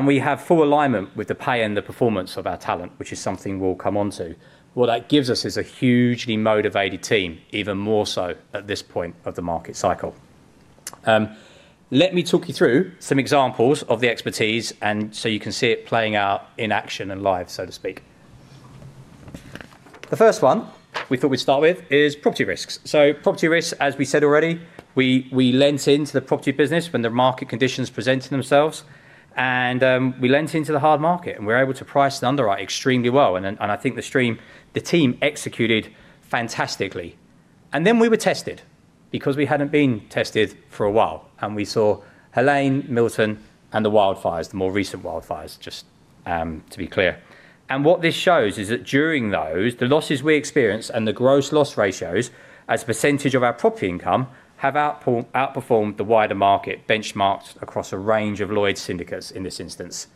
We have full alignment with the pay and the performance of our talent, which is something we'll come onto. What that gives us is a hugely motivated team, even more so at this point of the market cycle. Let me talk you through some examples of the expertise and so you can see it playing out in action and live, so to speak. The first one we thought we'd start with is property risks. Property risks, as we said already, we lent into the property business when the market conditions presented themselves. We lent into the hard market and we were able to price and underwrite extremely well. I think the team executed fantastically. We were tested because we hadn't been tested for a while. We saw Helene, Milton, and the wildfires, the more recent wildfires, just to be clear. What this shows is that during those, the losses we experienced and the gross loss ratios as a percentage of our property income have outperformed, outperformed the wider market benchmarked across a range of Lloyd's syndicates in this instance.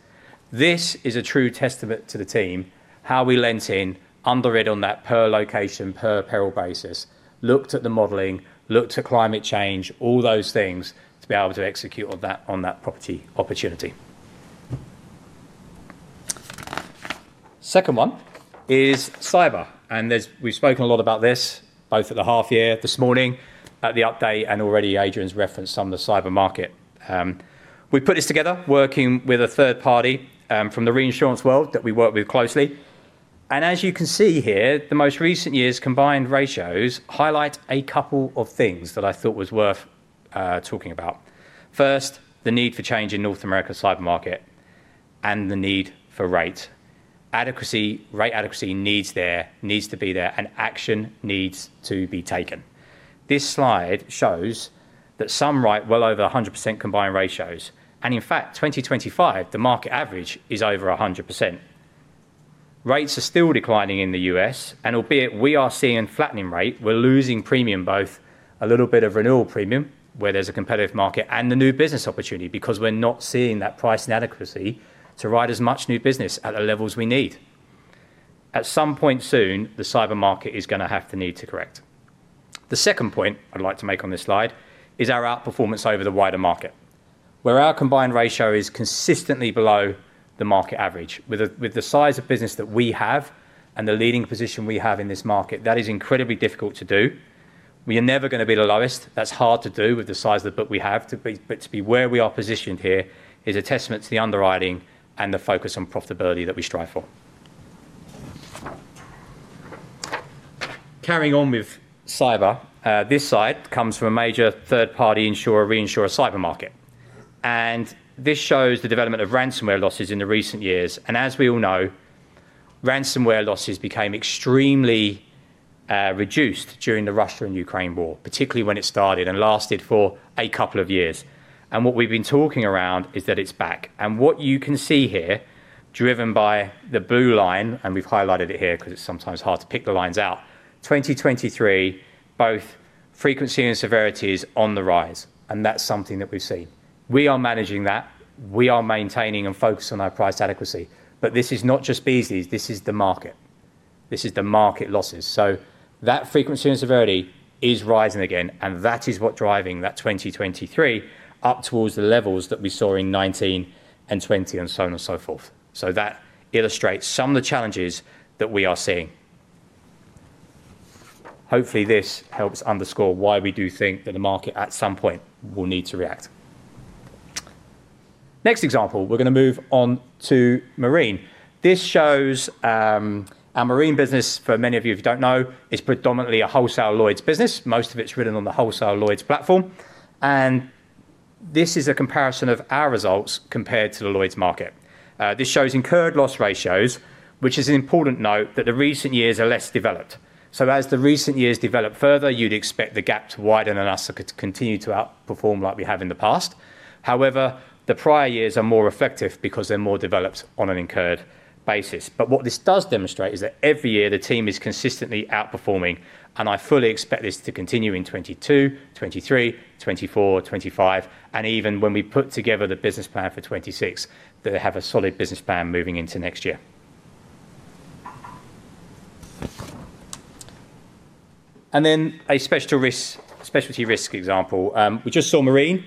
This is a true testament to the team, how we lent in, underwrote on that per location, per peril basis, looked at the modeling, looked at climate change, all those things to be able to execute on that, on that property opportunity. The second one is cyber. There's, we've spoken a lot about this both at the half year this morning, at the update, and already Adrian's referenced some of the cyber market. We put this together working with a third party, from the reinsurance world that we work with closely. As you can see here, the most recent years' combined ratios highlight a couple of things that I thought was worth talking about. First, the need for change in North America's cyber market and the need for rate adequacy, rate adequacy needs to be there, and action needs to be taken. This slide shows that some write well over 100% combined ratios. In fact, 2025, the market average is over 100%. Rates are still declining in the U.S., and albeit we are seeing a flattening rate, we're losing premium, both a little bit of renewal premium, where there's a competitive market, and the new business opportunity because we're not seeing that price inadequacy to write as much new business at the levels we need. At some point soon, the cyber market is gonna have the need to correct. The second point I'd like to make on this slide is our outperformance over the wider market, where our combined ratio is consistently below the market average. With the size of business that we have and the leading position we have in this market, that is incredibly difficult to do. We are never gonna be the lowest. That's hard to do with the size of the book we have. To be, but to be where we are positioned here is a testament to the underwriting and the focus on profitability that we strive for. Carrying on with cyber, this slide comes from a major third-party insurer, reinsurer cyber market. This shows the development of ransomware losses in the recent years. As we all know, ransomware losses became extremely reduced during the Russia and Ukraine war, particularly when it started and lasted for a couple of years. What we've been talking around is that it's back. What you can see here, driven by the blue line, and we've highlighted it here because it's sometimes hard to pick the lines out, 2023, both frequency and severity is on the rise. That's something that we've seen. We are managing that. We are maintaining and focusing on our price adequacy. This is not just Beazley's. This is the market. This is the market losses. That frequency and severity is rising again. That is what's driving that 2023 up towards the levels that we saw in 2019 and 2020 and so on and so forth. That illustrates some of the challenges that we are seeing. Hopefully this helps underscore why we do think that the market at some point will need to react. Next example, we're going to move on to marine. This shows, our marine business, for many of you if you do not know, is predominantly a wholesale Lloyd's business. Most of it is written on the wholesale Lloyd's platform. This is a comparison of our results compared to the Lloyd's market. This shows incurred loss ratios, which is an important note that the recent years are less developed. As the recent years develop further, you would expect the gap to widen and us to continue to outperform like we have in the past. However, the prior years are more effective because they are more developed on an incurred basis. What this does demonstrate is that every year the team is consistently outperforming. I fully expect this to continue in 2022, 2023, 2024, 2025, and even when we put together the business plan for 2026, that they have a solid business plan moving into next year. A specialty risk, specialty risk example. We just saw marine.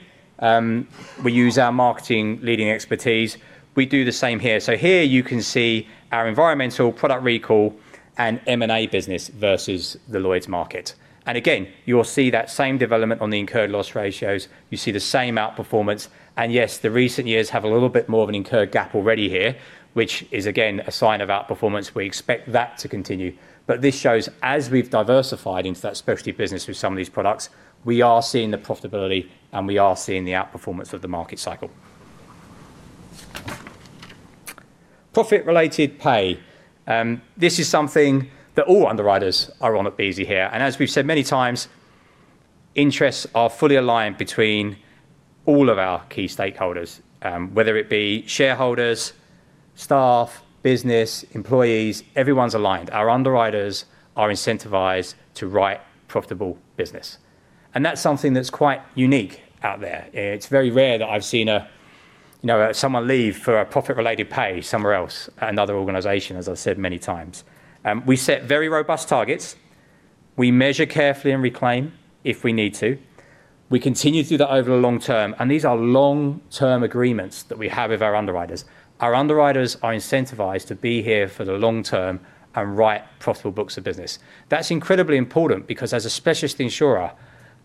We use our market leading expertise. We do the same here. Here you can see our environmental, product recall, and M&A business versus the Lloyd's market. Again, you'll see that same development on the incurred loss ratios. You see the same outperformance. Yes, the recent years have a little bit more of an incurred gap already here, which is again a sign of outperformance. We expect that to continue. This shows, as we've diversified into that specialty business with some of these products, we are seeing the profitability and we are seeing the outperformance of the market cycle. Profit-related pay. This is something that all underwriters are on at Beazley here. As we've said many times, interests are fully aligned between all of our key stakeholders, whether it be shareholders, staff, business, employees, everyone's aligned. Our underwriters are incentivized to write profitable business. That's something that's quite unique out there. It's very rare that I've seen, you know, someone leave for a profit-related pay somewhere else, another organization, as I've said many times. We set very robust targets. We measure carefully and reclaim if we need to. We continue through that over the long term. These are long-term agreements that we have with our underwriters. Our underwriters are incentivized to be here for the long term and write profitable books of business. That's incredibly important because as a specialist insurer,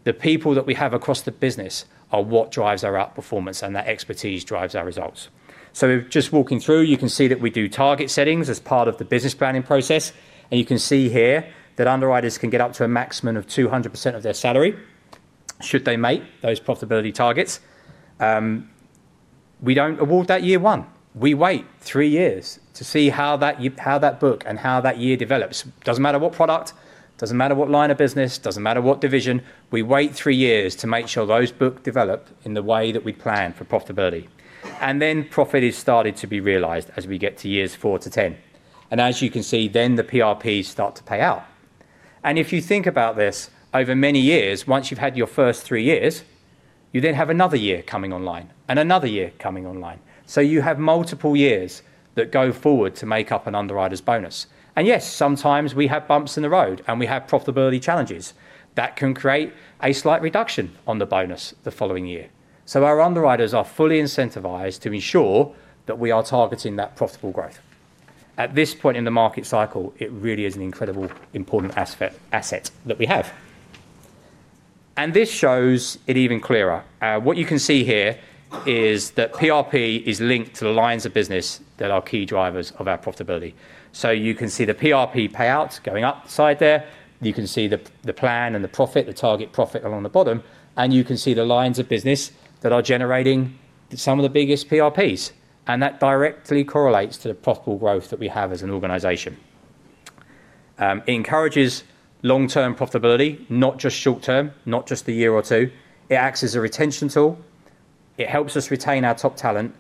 the people that we have across the business are what drives our outperformance and that expertise drives our results. Just walking through, you can see that we do target settings as part of the business planning process. You can see here that underwriters can get up to a maximum of 200% of their salary should they make those profitability targets. We do not award that year one. We wait three years to see how that, how that book and how that year develops. It does not matter what product, does not matter what line of business, does not matter what division. We wait three years to make sure those books develop in the way that we plan for profitability. Profit is started to be realized as we get to years four to ten. As you can see, then the PRPs start to pay out. If you think about this over many years, once you've had your first three years, you then have another year coming online and another year coming online. You have multiple years that go forward to make up an underwriter's bonus. Yes, sometimes we have bumps in the road and we have profitability challenges that can create a slight reduction on the bonus the following year. Our underwriters are fully incentivized to ensure that we are targeting that profitable growth. At this point in the market cycle, it really is an incredibly important asset that we have. This shows it even clearer. What you can see here is that PRP is linked to the lines of business that are key drivers of our profitability. You can see the PRP payouts going upside there. You can see the plan and the profit, the target profit along the bottom. You can see the lines of business that are generating some of the biggest PRPs. That directly correlates to the profitable growth that we have as an organization. It encourages long-term profitability, not just short term, not just a year or two. It acts as a retention tool. It helps us retain our top talent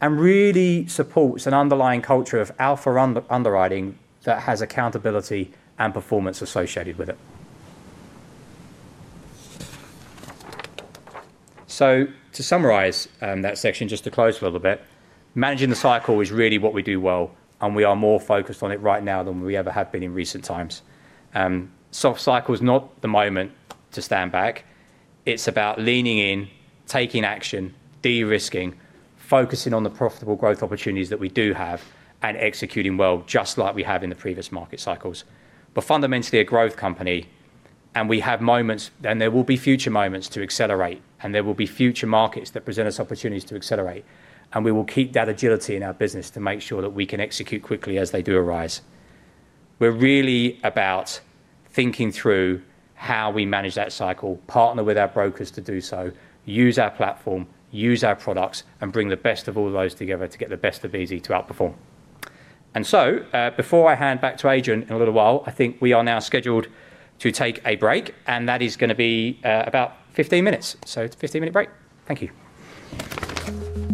and really supports an underlying culture of alpha underwriting that has accountability and performance associated with it. To summarize that section, just to close a little bit, managing the cycle is really what we do well. We are more focused on it right now than we ever have been in recent times. Soft cycle is not the moment to stand back. It's about leaning in, taking action, de-risking, focusing on the profitable growth opportunities that we do have, and executing well just like we have in the previous market cycles. Fundamentally, a growth company, and we have moments, and there will be future moments to accelerate, and there will be future markets that present us opportunities to accelerate. We will keep that agility in our business to make sure that we can execute quickly as they do arise. We're really about thinking through how we manage that cycle, partner with our brokers to do so, use our platform, use our products, and bring the best of all those together to get the best of Beazley to outperform. Before I hand back to Adrian in a little while, I think we are now scheduled to take a break, and that is gonna be about 15 minutes. It is a 15-minute break. Thank you.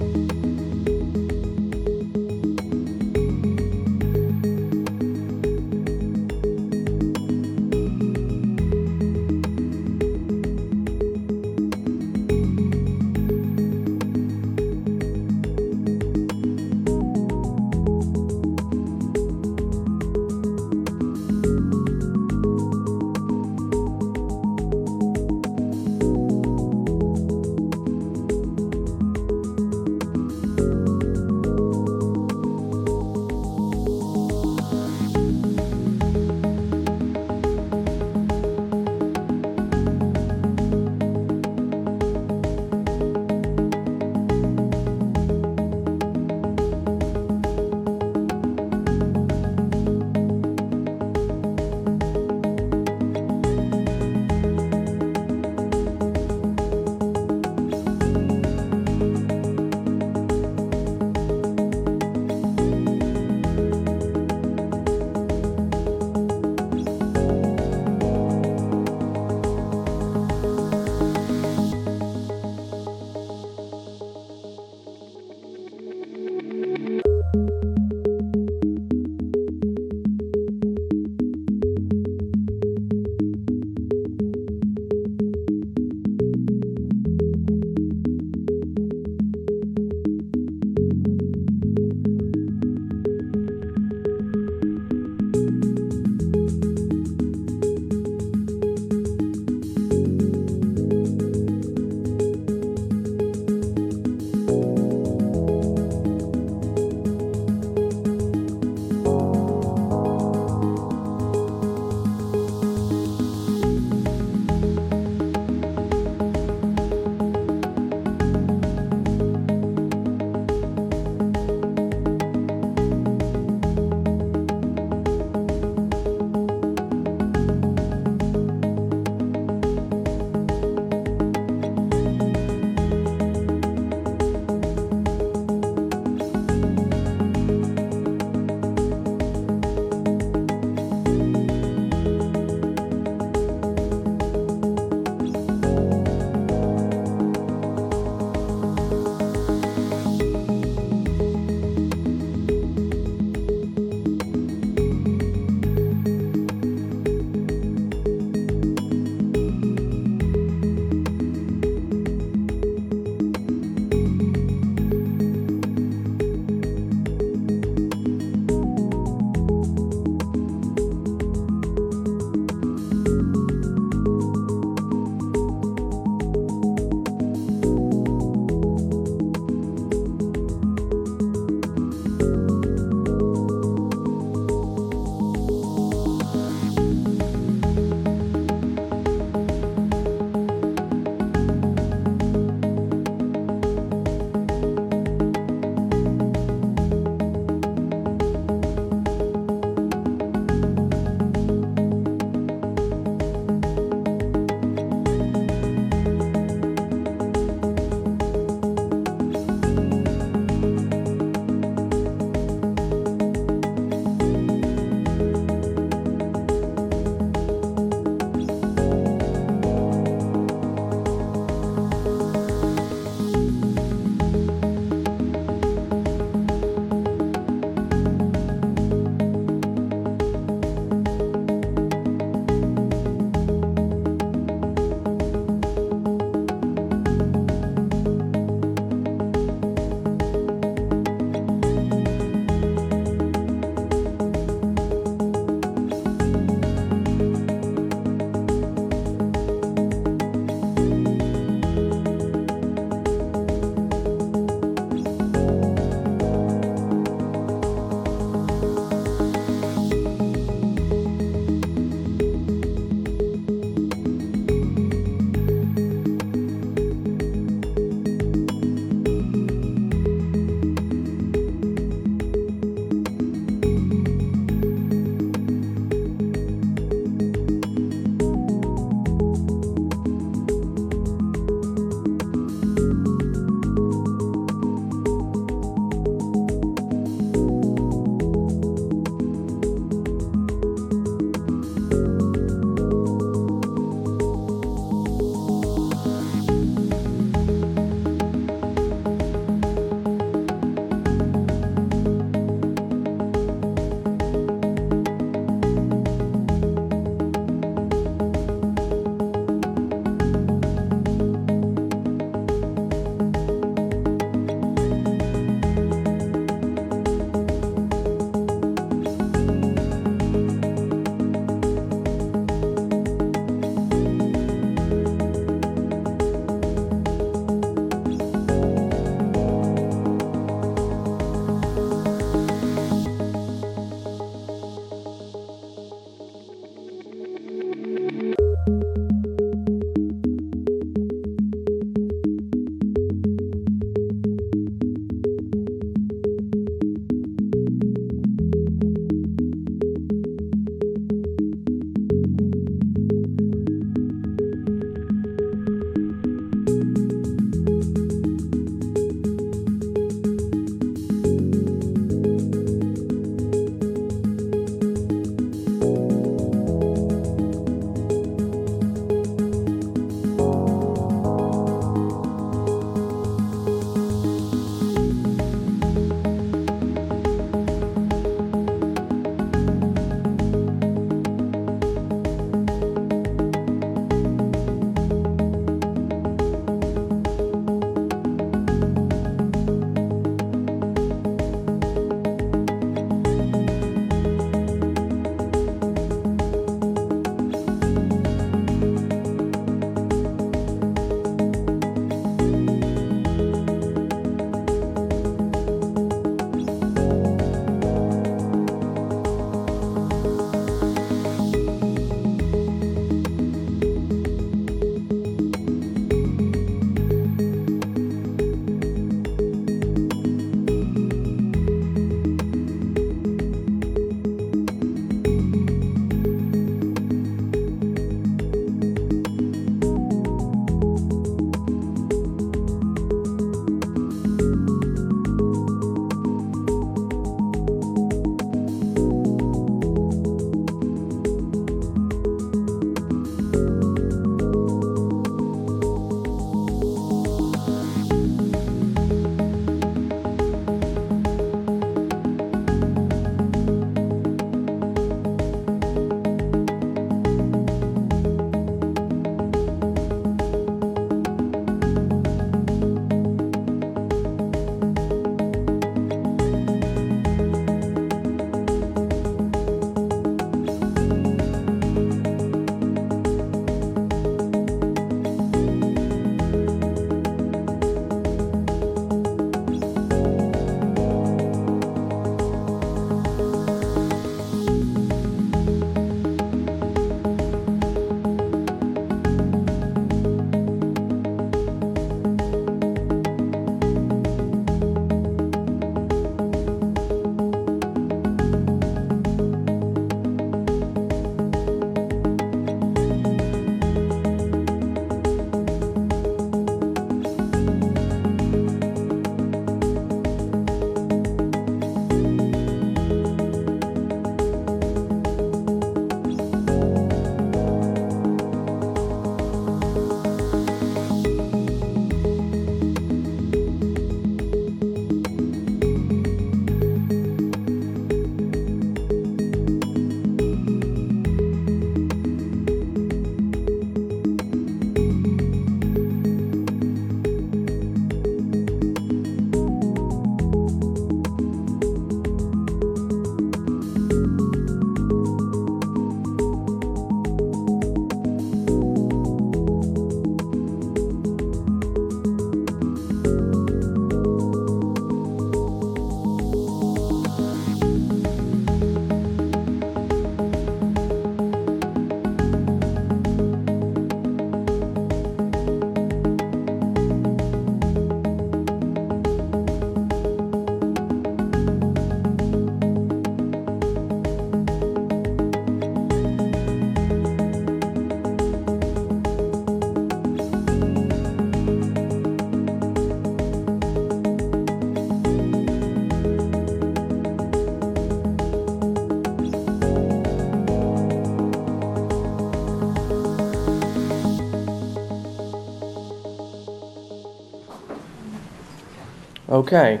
Okay,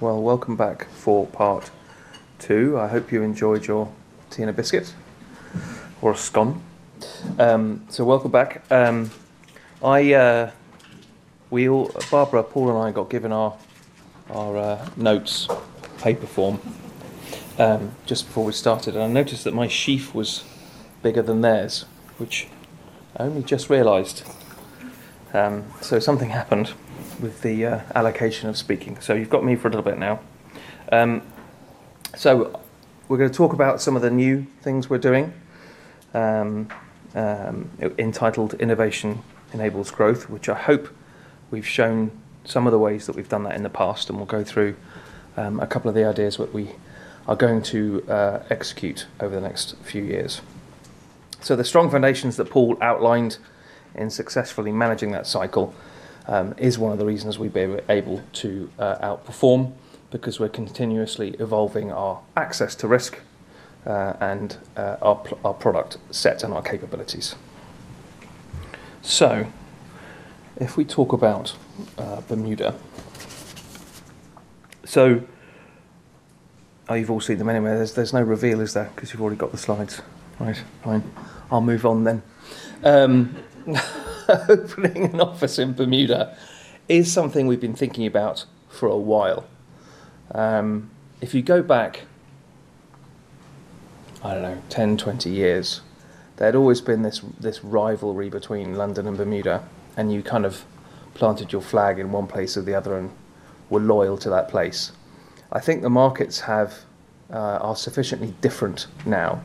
welcome back for part two. I hope you enjoyed your tuna biscuit or scone. Welcome back. I, we all, Barbara, Paul, and I got given our notes, paper form, just before we started, and I noticed that my sheath was bigger than theirs, which I only just realized. Something happened with the allocation of speaking. You have got me for a little bit now. We are going to talk about some of the new things we are doing, entitled Innovation Enables Growth, which I hope we have shown some of the ways that we have done that in the past, and we will go through a couple of the ideas that we are going to execute over the next few years. The strong foundations that Paul outlined in successfully managing that cycle is one of the reasons we've been able to outperform, because we're continuously evolving our access to risk, and our product set and our capabilities. If we talk about Bermuda, you've all seen them anyway. There's no revealers there because you've already got the slides, right? Fine. I'll move on then. Opening an office in Bermuda is something we've been thinking about for a while. If you go back, I don't know, 10, 20 years, there'd always been this rivalry between London and Bermuda, and you kind of planted your flag in one place or the other and were loyal to that place. I think the markets are sufficiently different now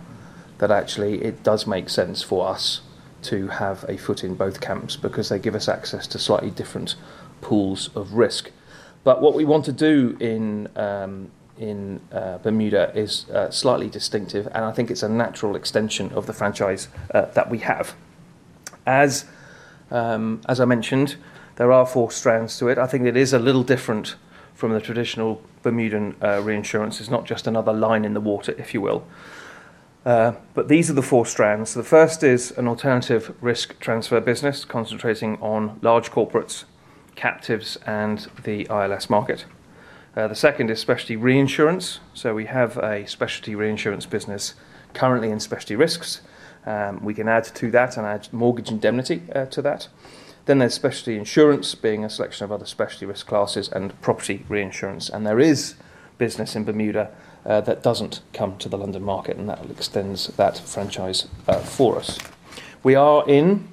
that actually it does make sense for us to have a foot in both camps because they give us access to slightly different pools of risk. What we want to do in Bermuda is slightly distinctive, and I think it's a natural extension of the franchise that we have. As I mentioned, there are four strands to it. I think it is a little different from the traditional Bermudan reinsurance. It's not just another line in the water, if you will. These are the four strands. The first is an alternative risk transfer business concentrating on large corporates, captives, and the ILS market. The second is specialty reinsurance. We have a specialty reinsurance business currently in specialty risks. We can add to that and add mortgage indemnity to that. There is specialty insurance, being a selection of other specialty risk classes and property reinsurance. There is business in Bermuda that does not come to the London market, and that extends that franchise for us. We are in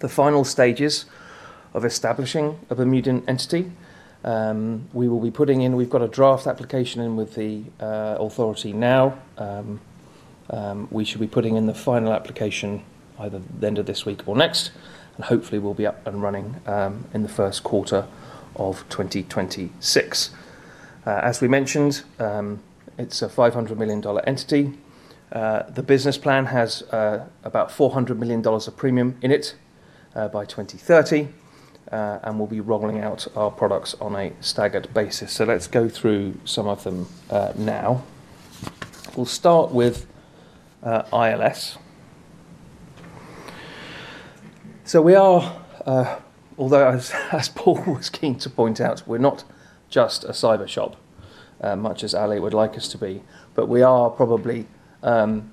the final stages of establishing a Bermudan entity. We will be putting in, we have got a draft application in with the authority now. We should be putting in the final application either the end of this week or next, and hopefully we will be up and running in the first quarter of 2026. As we mentioned, it is a $500 million entity. The business plan has about $400 million of premium in it by 2030, and we will be rolling out our products on a staggered basis. Let us go through some of them now. We will start with ILS. We are, although, as Paul was keen to point out, we're not just a cyber shop, much as Ali would like us to be, but we are probably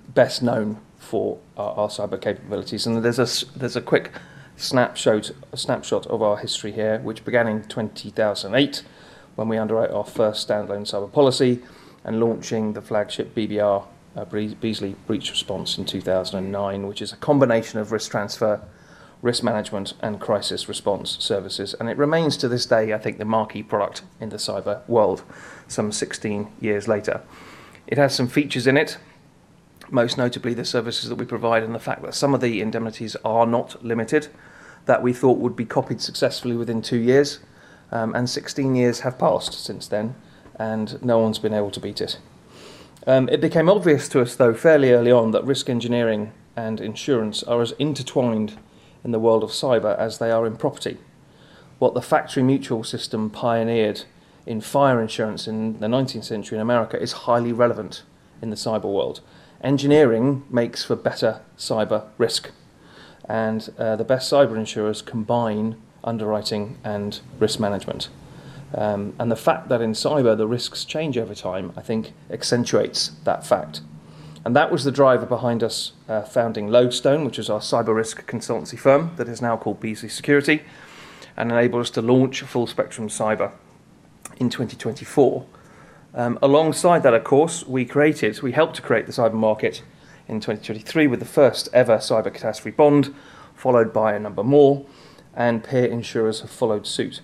best known for our cyber capabilities. There's a quick snapshot of our history here, which began in 2008 when we underwrote our first standalone cyber policy and launched the flagship BBR, Beazley Breach Response, in 2009, which is a combination of risk transfer, risk management, and crisis response services. It remains to this day, I think, the marquee product in the cyber world, some 16 years later. It has some features in it, most notably the services that we provide and the fact that some of the indemnities are not limited, that we thought would be copied successfully within two years. Sixteen years have passed since then, and no one's been able to beat it. It became obvious to us, though, fairly early on that risk engineering and insurance are as intertwined in the world of cyber as they are in property. What the Factory Mutual system pioneered in fire insurance in the nineteenth century in America is highly relevant in the cyber world. Engineering makes for better cyber risk, and the best cyber insurers combine underwriting and risk management. The fact that in cyber the risks change over time, I think, accentuates that fact. That was the driver behind us founding Lodestone, which is our cyber risk consultancy firm that is now called Beazley Security, and enabled us to launch Full Spectrum Cyber in 2024. Alongside that, of course, we created, we helped to create the cyber market in 2023 with the first ever cyber catastrophe bond, followed by a number more, and peer insurers have followed suit.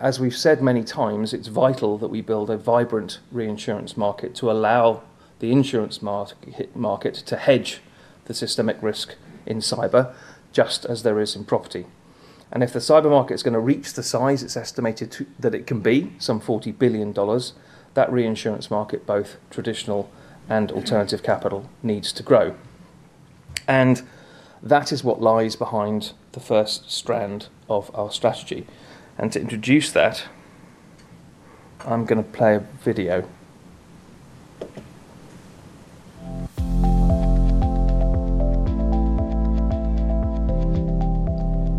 As we've said many times, it's vital that we build a vibrant reinsurance market to allow the insurance market to hedge the systemic risk in cyber, just as there is in property. If the cyber market is going to reach the size it's estimated to that it can be, some $40 billion, that reinsurance market, both traditional and alternative capital, needs to grow. That is what lies behind the first strand of our strategy. To introduce that, I'm going to play a video.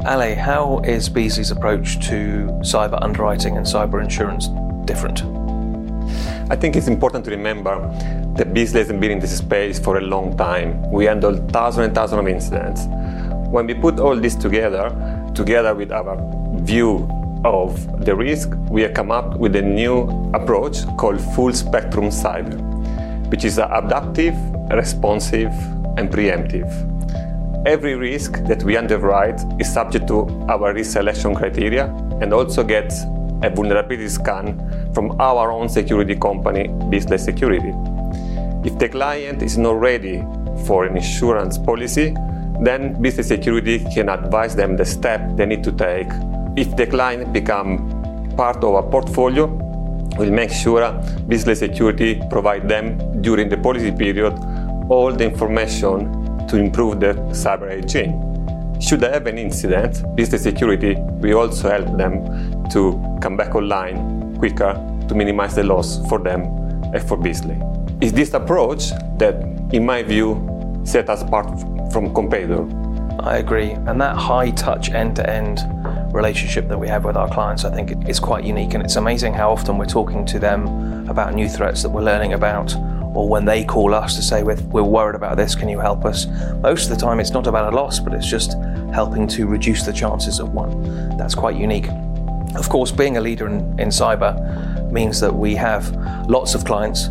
Ali, how is Beazley's approach to cyber underwriting and cyber insurance different? I think it's important to remember that Beazley has been in this space for a long time. We handle thousands and thousands of incidents. When we put all this together, together with our view of the risk, we have come up with a new approach called Full Spectrum Cyber, which is adaptive, responsive, and preemptive. Every risk that we underwrite is subject to our reselection criteria and also gets a vulnerability scan from our own security company, Beazley Security. If the client is not ready for an insurance policy, then Beazley Security can advise them the step they need to take. If the client becomes part of our portfolio, we'll make sure Beazley Security provides them, during the policy period, all the information to improve their cyber hygiene. Should they have an incident, Beazley Security will also help them to come back online quicker to minimize the loss for them and for Beazley. It's this approach that, in my view, sets us apart from competitors. I agree. That high-touch end-to-end relationship that we have with our clients, I think it's quite unique. It's amazing how often we're talking to them about new threats that we're learning about, or when they call us to say, "We're worried about this. Can you help us?" Most of the time, it's not about a loss, but it's just helping to reduce the chances of one. That's quite unique. Of course, being a leader in cyber means that we have lots of clients,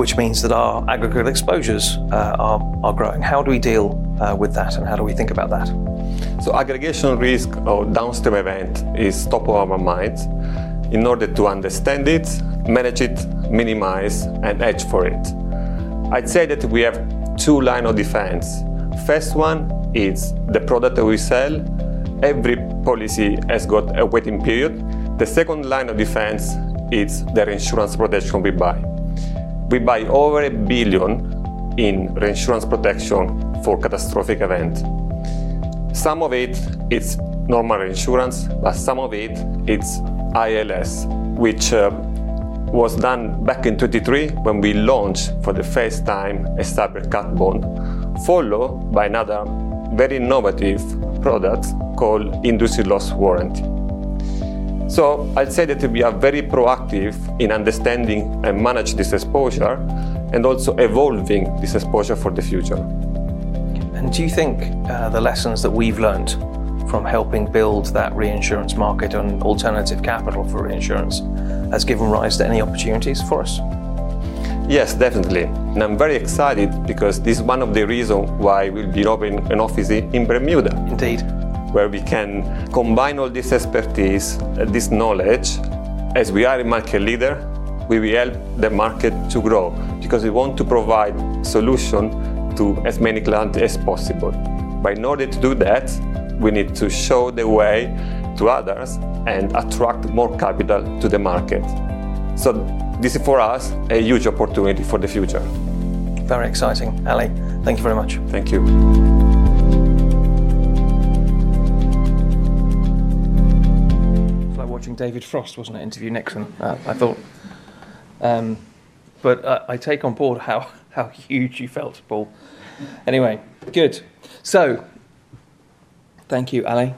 which means that our aggregate exposures are growing. How do we deal with that, and how do we think about that? Aggregation risk or downstream event is top of our minds. In order to understand it, manage it, minimize, and hedge for it, I'd say that we have two lines of defense. The first one is the product that we sell. Every policy has got a waiting period. The second line of defense is the reinsurance protection we buy. We buy over $1 billion in reinsurance protection for catastrophic events. Some of it, it's normal reinsurance, but some of it, it's ILS, which was done back in 2023 when we launched for the first time a cyber cat bond, followed by another very innovative product called industry loss warranty. I'd say that we are very proactive in understanding and managing this exposure and also evolving this exposure for the future. Do you think the lessons that we've learned from helping build that reinsurance market and alternative capital for reinsurance has given rise to any opportunities for us? Yes, definitely. I'm very excited because this is one of the reasons why we'll be opening an office in Bermuda. Indeed. Where we can combine all this expertise, this knowledge, as we are a market leader, we will help the market to grow because we want to provide solutions to as many clients as possible. In order to do that, we need to show the way to others and attract more capital to the market. This is, for us, a huge opportunity for the future. Very exciting. Ali, thank you very much. Thank you. If I were watching David Frost, was it? Interview Nixon, I thought. I take on board how, how huge you felt, Paul. Anyway, good. Thank you, Ali.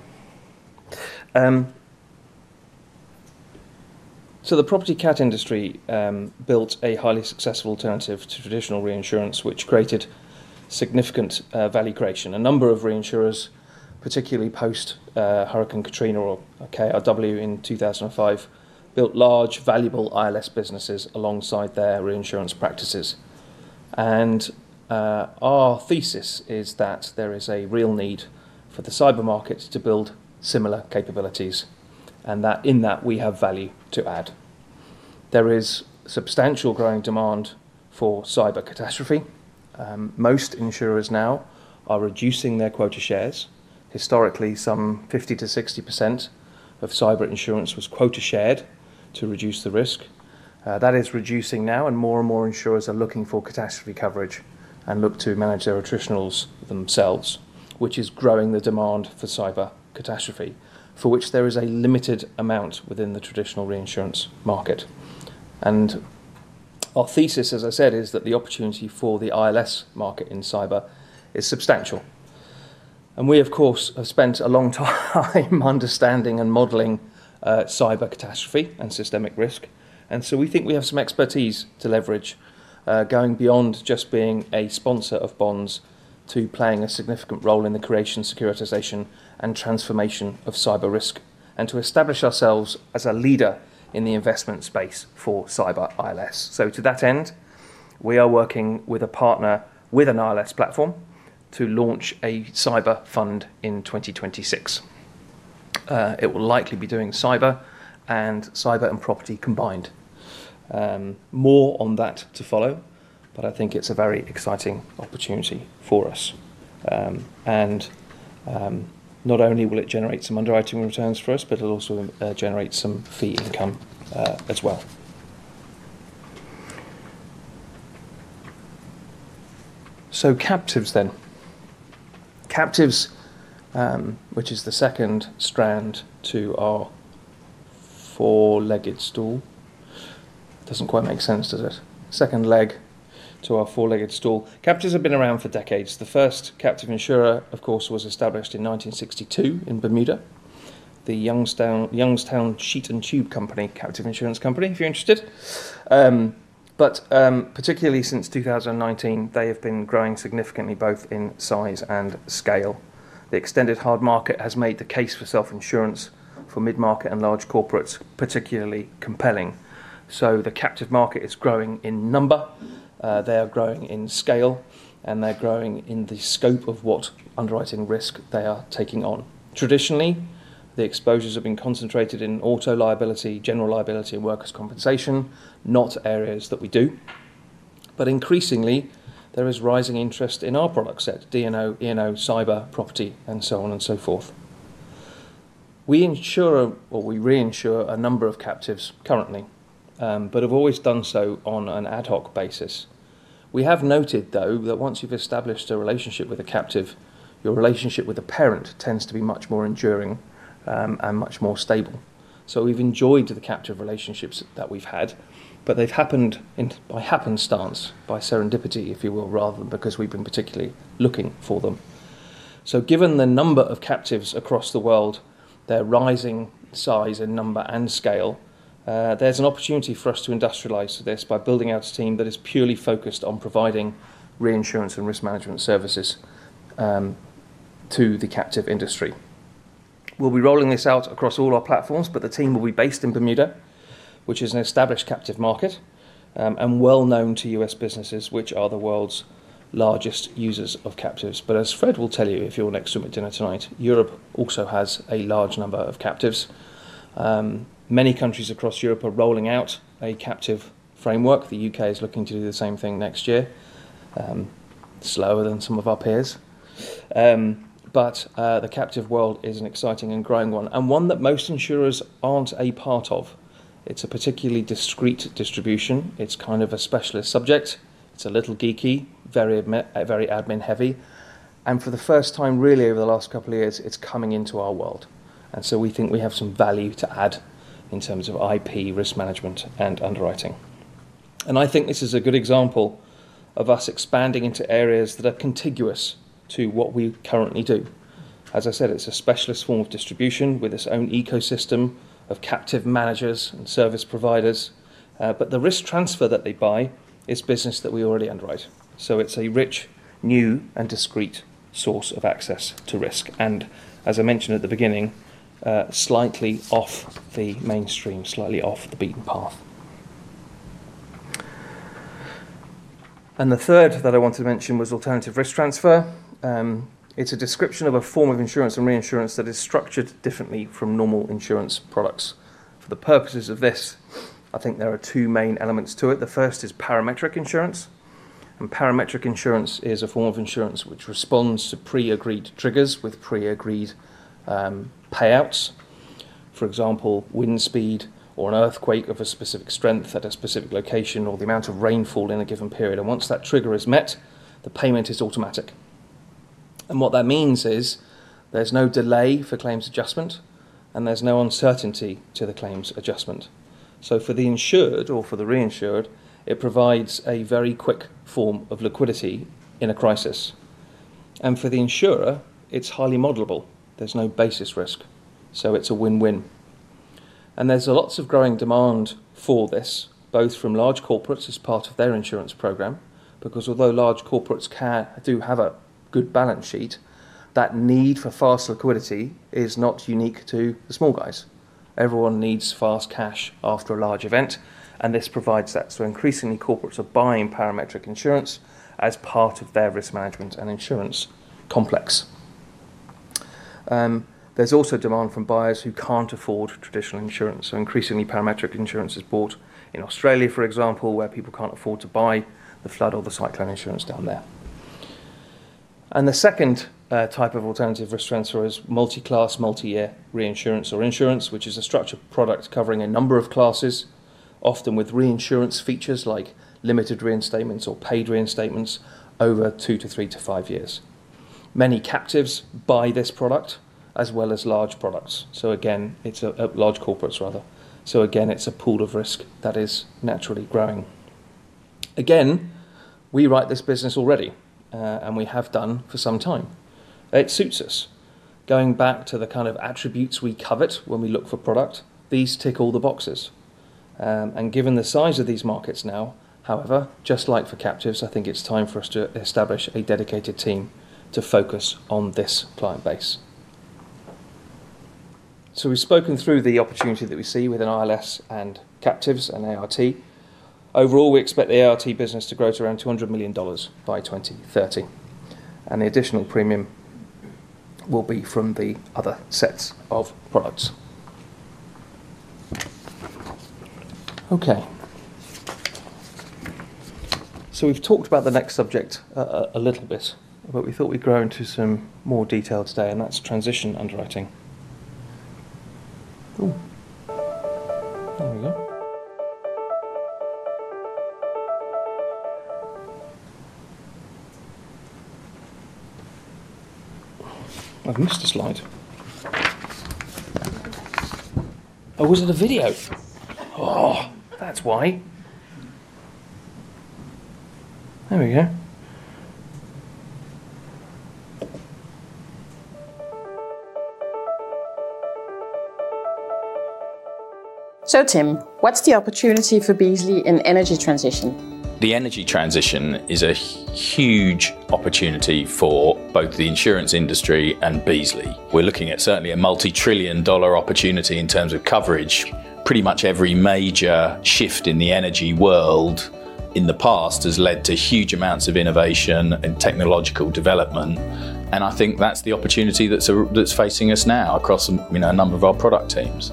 The property cat industry built a highly successful alternative to traditional reinsurance, which created significant value creation. A number of reinsurers, particularly post Hurricane Katrina or KRW in 2005, built large, valuable ILS businesses alongside their reinsurance practices. Our thesis is that there is a real need for the cyber market to build similar capabilities, and that in that we have value to add. There is substantial growing demand for cyber catastrophe. Most insurers now are reducing their quota shares. Historically, some 50%-60% of cyber insurance was quota shared to reduce the risk. That is reducing now, and more and more insurers are looking for catastrophe coverage and look to manage attritionals themselves, which is growing the demand for cyber catastrophe, for which there is a limited amount within the traditional reinsurance market. Our thesis, as I said, is that the opportunity for the ILS market in cyber is substantial. We, of course, have spent a long time understanding and modeling cyber catastrophe and systemic risk. We think we have some expertise to leverage, going beyond just being a sponsor of bonds to playing a significant role in the creation, securitization, and transformation of cyber risk, and to establish ourselves as a leader in the investment space for cyber ILS. To that end, we are working with a partner with an ILS platform to launch a cyber fund in 2026. It will likely be doing cyber and cyber and property combined. More on that to follow, but I think it's a very exciting opportunity for us. Not only will it generate some underwriting returns for us, but it'll also generate some fee income, as well. Captives then. Captives, which is the second strand to our four-legged stool. Doesn't quite make sense, does it? Second leg to our four-legged stool. Captives have been around for decades. The first captive insurer, of course, was established in 1962 in Bermuda, the Youngstown Sheet and Tube Company captive insurance company, if you're interested. Particularly since 2019, they have been growing significantly both in size and scale. The extended hard market has made the case for self-insurance for mid-market and large corporates particularly compelling. The captive market is growing in number. They are growing in scale, and they're growing in the scope of what underwriting risk they are taking on. Traditionally, the exposures have been concentrated in auto liability, general liability, and workers' compensation, not areas that we do. Increasingly, there is rising interest in our product sets: D&O, E&O, cyber, property, and so on and so forth. We insure, or we reinsure, a number of captives currently, but have always done so on an ad hoc basis. We have noted, though, that once you've established a relationship with a captive, your relationship with a parent tends to be much more enduring, and much more stable. We have enjoyed the captive relationships that we've had, but they've happened by happenstance, by serendipity, if you will, rather than because we've been particularly looking for them. Given the number of captives across the world, their rising size and number and scale, there's an opportunity for us to industrialize this by building out a team that is purely focused on providing reinsurance and risk management services to the captive industry. We'll be rolling this out across all our platforms, but the team will be based in Bermuda, which is an established captive market, and well known to US businesses, which are the world's largest users of captives. As Fred will tell you if you're next to me at dinner tonight, Europe also has a large number of captives. Many countries across Europe are rolling out a captive framework. The U.K. is looking to do the same thing next year, slower than some of our peers. The captive world is an exciting and growing one, and one that most insurers aren't a part of. It's a particularly discreet distribution. It's kind of a specialist subject. It's a little geeky, very admin-heavy. For the first time, really, over the last couple of years, it's coming into our world. We think we have some value to add in terms of IP, risk management, and underwriting. I think this is a good example of us expanding into areas that are contiguous to what we currently do. As I said, it's a specialist form of distribution with its own ecosystem of captive managers and service providers. The risk transfer that they buy is business that we already underwrite. It is a rich, new, and discreet source of access to risk. As I mentioned at the beginning, slightly off the mainstream, slightly off the beaten path. The third that I wanted to mention was alternative risk transfer. It is a description of a form of insurance and reinsurance that is structured differently from normal insurance products. For the purposes of this, I think there are two main elements to it. The first is parametric insurance. Parametric insurance is a form of insurance which responds to pre-agreed triggers with pre-agreed payouts. For example, wind speed or an earthquake of a specific strength at a specific location or the amount of rainfall in a given period. Once that trigger is met, the payment is automatic. What that means is there's no delay for claims adjustment, and there's no uncertainty to the claims adjustment. For the insured or for the reinsured, it provides a very quick form of liquidity in a crisis. For the insurer, it's highly modelable. There's no basis risk. It's a win-win. There's lots of growing demand for this, both from large corporates as part of their insurance program, because although large corporates can have a good balance sheet, that need for fast liquidity is not unique to the small guys. Everyone needs fast cash after a large event, and this provides that. Increasingly, corporates are buying parametric insurance as part of their risk management and insurance complex. There's also demand from buyers who can't afford traditional insurance. Increasingly, parametric insurance is bought in Australia, for example, where people cannot afford to buy the flood or the cyclone insurance down there. The second type of alternative risk transfer is multi-class, multi-year reinsurance or insurance, which is a structured product covering a number of classes, often with reinsurance features like limited reinstatements or paid reinstatements over two to three to five years. Many captives buy this product as well as large corporates, rather. Again, it is a pool of risk that is naturally growing. Again, we write this business already, and we have done for some time. It suits us. Going back to the kind of attributes we covet when we look for product, these tick all the boxes. Given the size of these markets now, however, just like for captives, I think it's time for us to establish a dedicated team to focus on this client base. We've spoken through the opportunity that we see with an ILS and captives and ART. Overall, we expect the ART business to grow to around $200 million by 2030. The additional premium will be from the other sets of products. Okay. We've talked about the next subject a little bit, but we thought we'd go into some more detail today, and that's transition underwriting. Ooh, there we go. I've missed a slide. Oh, was it a video? Oh, that's why. There we go. Tim, what's the opportunity for Beazley in energy transition? The energy transition is a huge opportunity for both the insurance industry and Beazley. We're looking at certainly a multi-trillion dollar opportunity in terms of coverage. Pretty much every major shift in the energy world in the past has led to huge amounts of innovation and technological development. I think that's the opportunity that's facing us now across a number of our product teams.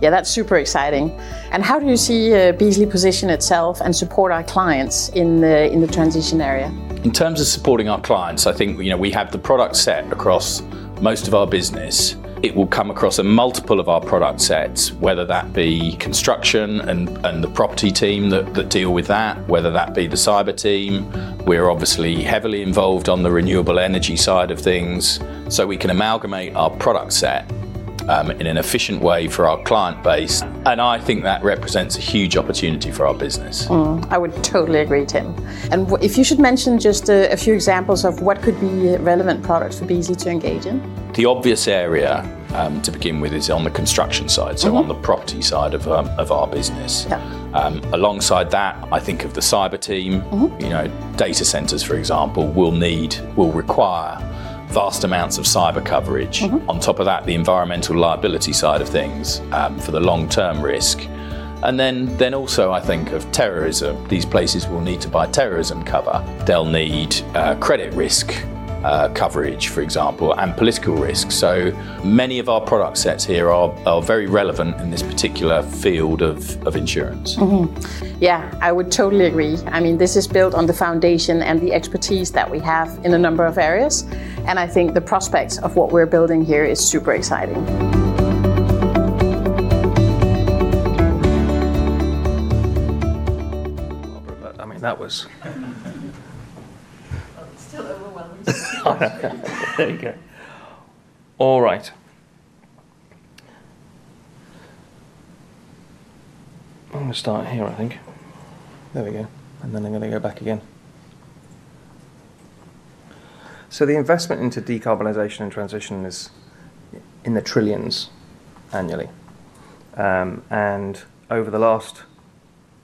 Yeah, that's super exciting. How do you see Beazley position itself and support our clients in the transition area? In terms of supporting our clients, I think, you know, we have the product set across most of our business. It will come across a multiple of our product sets, whether that be construction and the property team that deal with that, whether that be the cyber team. We're obviously heavily involved on the renewable energy side of things, so we can amalgamate our product set, in an efficient way for our client base. I think that represents a huge opportunity for our business. I would totally agree, Tim. If you should mention just a few examples of what could be relevant products for Beazley to engage in, the obvious area to begin with is on the construction side, so on the property side of our business. Yeah. Alongside that, I think of the cyber team. You know, data centers, for example, will require vast amounts of cyber coverage. On top of that, the environmental liability side of things, for the long-term risk. Then also I think of terrorism. These places will need to buy terrorism cover. They'll need credit risk coverage, for example, and political risk. So many of our product sets here are very relevant in this particular field of insurance. Yeah, I would totally agree. I mean, this is built on the foundation and the expertise that we have in a number of areas. I think the prospects of what we're building here is super exciting. I mean, that was. Oh, it's still overwhelming. There you go. All right. I'm going to start here, I think. There we go. I'm going to go back again. The investment into decarbonization and transition is in the trillions annually. Over the last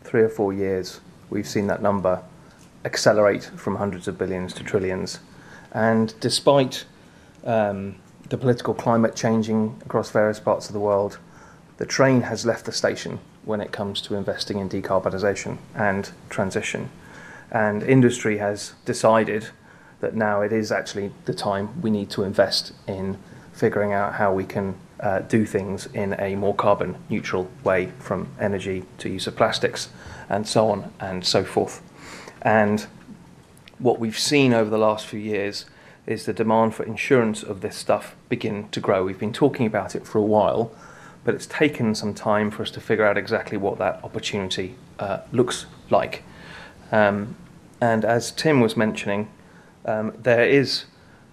three or four years, we've seen that number accelerate from hundreds of billions to trillions. Despite the political climate changing across various parts of the world, the train has left the station when it comes to investing in decarbonization and transition. Industry has decided that now it is actually the time we need to invest in figuring out how we can do things in a more carbon-neutral way from energy to use of plastics and so on and so forth. What we've seen over the last few years is the demand for insurance of this stuff begin to grow. We've been talking about it for a while, but it's taken some time for us to figure out exactly what that opportunity looks like. As Tim was mentioning, there is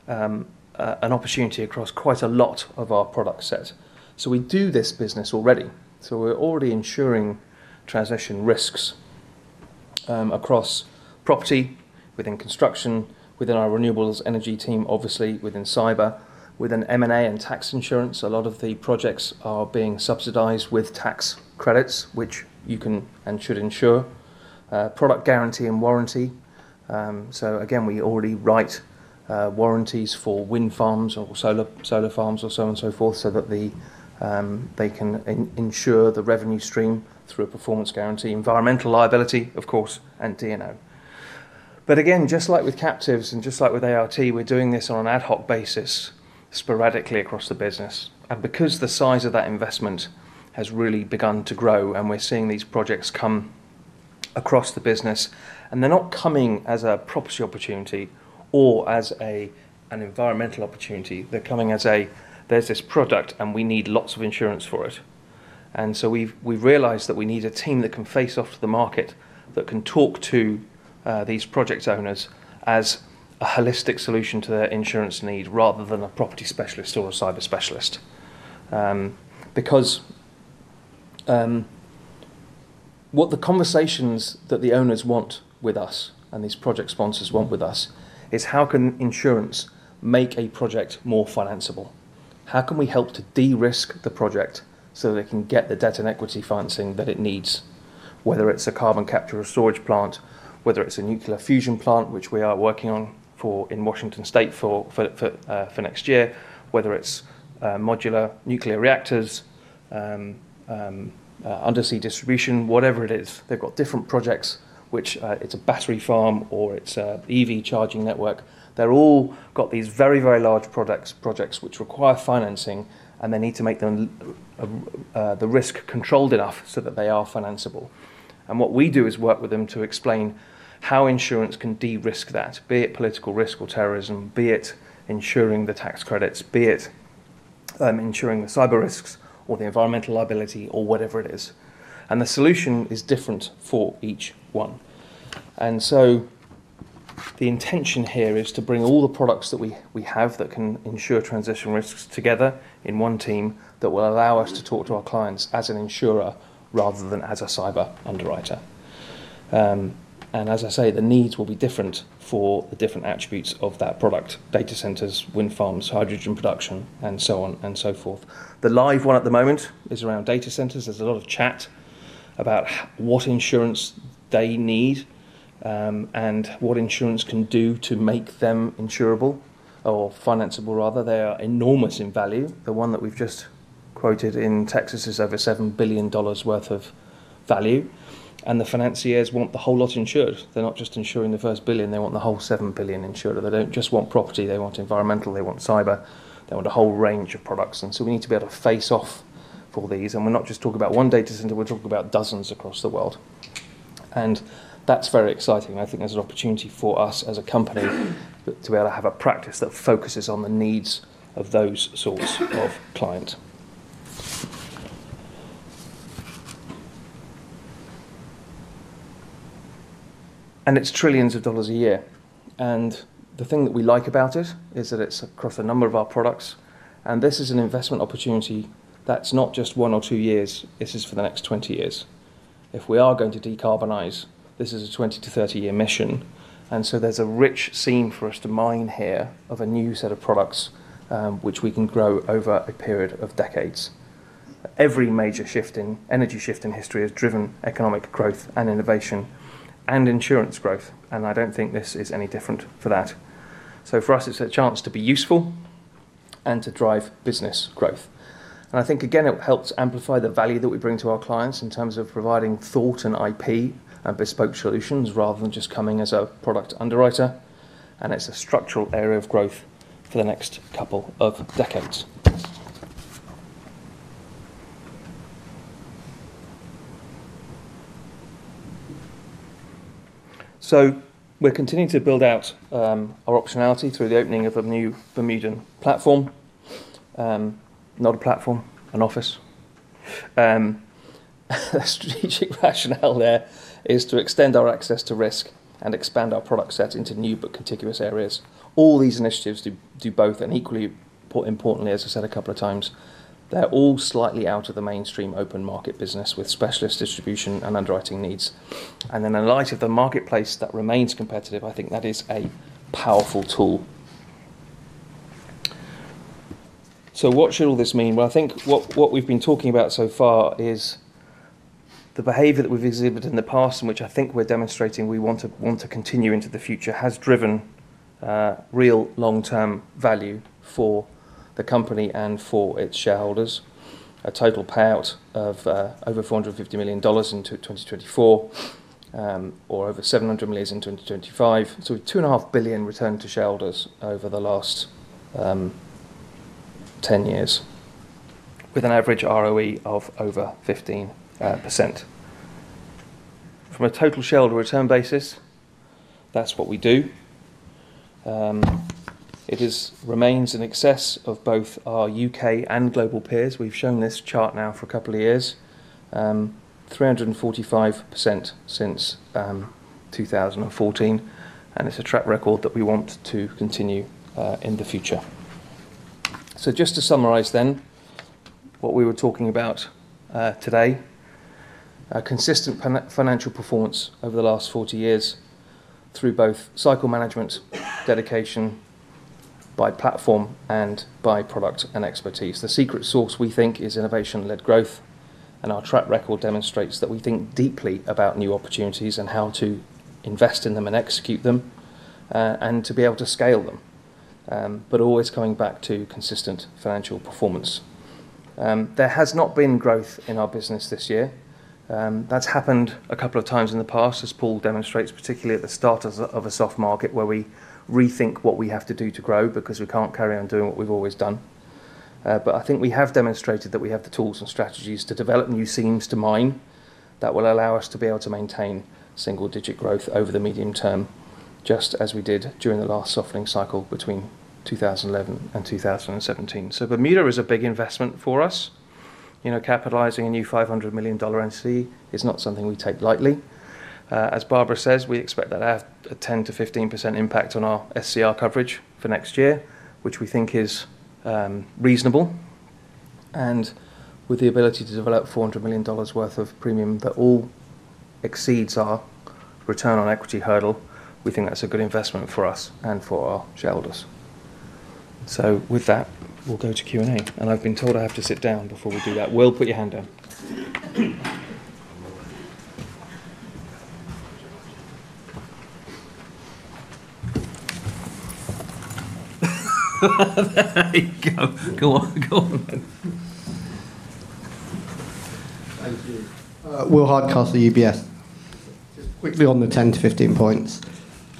an opportunity across quite a lot of our product sets. We do this business already. We're already insuring transition risks across property, within construction, within our renewables energy team, obviously within cyber, within M&A and tax insurance. A lot of the projects are being subsidized with tax credits, which you can and should insure, product guarantee and warranty. Again, we already write warranties for wind farms or solar farms or so on and so forth so that they can insure the revenue stream through a performance guarantee, environmental liability, of course, and D&O. Just like with captives and just like with ART, we're doing this on an ad hoc basis sporadically across the business. Because the size of that investment has really begun to grow and we're seeing these projects come across the business, and they're not coming as a property opportunity or as an environmental opportunity, they're coming as a, there's this product and we need lots of insurance for it. We've realized that we need a team that can face off to the market, that can talk to these project owners as a holistic solution to their insurance need rather than a property specialist or a cyber specialist, because what the conversations that the owners want with us and these project sponsors want with us is how can insurance make a project more financeable? How can we help to de-risk the project so that it can get the debt and equity financing that it needs, whether it's a carbon capture or storage plant, whether it's a nuclear fusion plant, which we are working on in Washington State for next year, whether it's modular nuclear reactors, undersea distribution, whatever it is. They've got different projects, which, it's a battery farm or it's an EV charging network. They've all got these very, very large products, projects which require financing, and they need to make them, the risk controlled enough so that they are financeable. What we do is work with them to explain how insurance can de-risk that, be it political risk or terrorism, be it ensuring the tax credits, be it ensuring the cyber risks or the environmental liability or whatever it is. The solution is different for each one. The intention here is to bring all the products that we have that can ensure transition risks together in one team that will allow us to talk to our clients as an insurer rather than as a cyber underwriter. As I say, the needs will be different for the different attributes of that product: data centers, wind farms, hydrogen production, and so on and so forth. The live one at the moment is around data centers. There's a lot of chat about what insurance they need, and what insurance can do to make them insurable or financeable, rather. They are enormous in value. The one that we've just quoted in Texas is over $7 billion worth of value. The financiers want the whole lot insured. They're not just insuring the first billion. They want the whole $7 billion insured. They don't just want property. They want environmental. They want cyber. They want a whole range of products. We need to be able to face off for these. We're not just talking about one data center. We're talking about dozens across the world. That's very exciting. I think there's an opportunity for us as a company to be able to have a practice that focuses on the needs of those sorts of clients. It's trillions of dollars a year. The thing that we like about it is that it's across a number of our products. This is an investment opportunity that's not just one or two years. This is for the next 20 years. If we are going to decarbonize, this is a 20- to 30-year mission. There's a rich scene for us to mine here of a new set of products, which we can grow over a period of decades. Every major shift in energy shift in history has driven economic growth and innovation and insurance growth. I don't think this is any different for that. For us, it's a chance to be useful and to drive business growth. I think, again, it helps amplify the value that we bring to our clients in terms of providing thought and IP and bespoke solutions rather than just coming as a product underwriter. It's a structural area of growth for the next couple of decades. We're continuing to build out our optionality through the opening of a new Bermudan platform—not a platform, an office. The strategic rationale there is to extend our access to risk and expand our product set into new but contiguous areas. All these initiatives do both and, equally importantly, as I said a couple of times, they're all slightly out of the mainstream open market business with specialist distribution and underwriting needs. In light of the marketplace that remains competitive, I think that is a powerful tool. What should all this mean? I think what we've been talking about so far is the behavior that we've exhibited in the past and which I think we're demonstrating we want to continue into the future has driven real long-term value for the company and for its shareholders. A total payout of over $450 million into 2024, or over $700 million in 2025. We've $2.5 billion returned to shareholders over the last 10 years with an average ROE of over 15%. From a total shareholder return basis, that's what we do. It remains in excess of both our U.K. and global peers. We've shown this chart now for a couple of years, 345% since 2014. It's a track record that we want to continue in the future. Just to summarize then what we were talking about today, consistent financial performance over the last 40 years through both cycle management, dedication by platform and by product and expertise. The secret sauce we think is innovation-led growth. Our track record demonstrates that we think deeply about new opportunities and how to invest in them and execute them, and to be able to scale them, but always coming back to consistent financial performance. There has not been growth in our business this year. That's happened a couple of times in the past, as Paul demonstrates, particularly at the start of a soft market where we rethink what we have to do to grow because we can't carry on doing what we've always done. I think we have demonstrated that we have the tools and strategies to develop new scenes to mine that will allow us to be able to maintain single-digit growth over the medium term, just as we did during the last softening cycle between 2011 and 2017. Bermuda is a big investment for us. You know, capitalizing a new $500 million entity is not something we take lightly. As Barbara (role uncertain) says, we expect that to have a 10%-15% impact on our SCR coverage for next year, which we think is reasonable. With the ability to develop $400 million worth of premium that all exceeds our return on equity hurdle, we think that's a good investment for us and for our shareholders. With that, we'll go to Q&A. I've been told I have to sit down before we do that. Will, put your hand down. There you go. Go on, go on. Thank you. Will Hardcastle, UBS. Just quickly on the 10 to 15 points.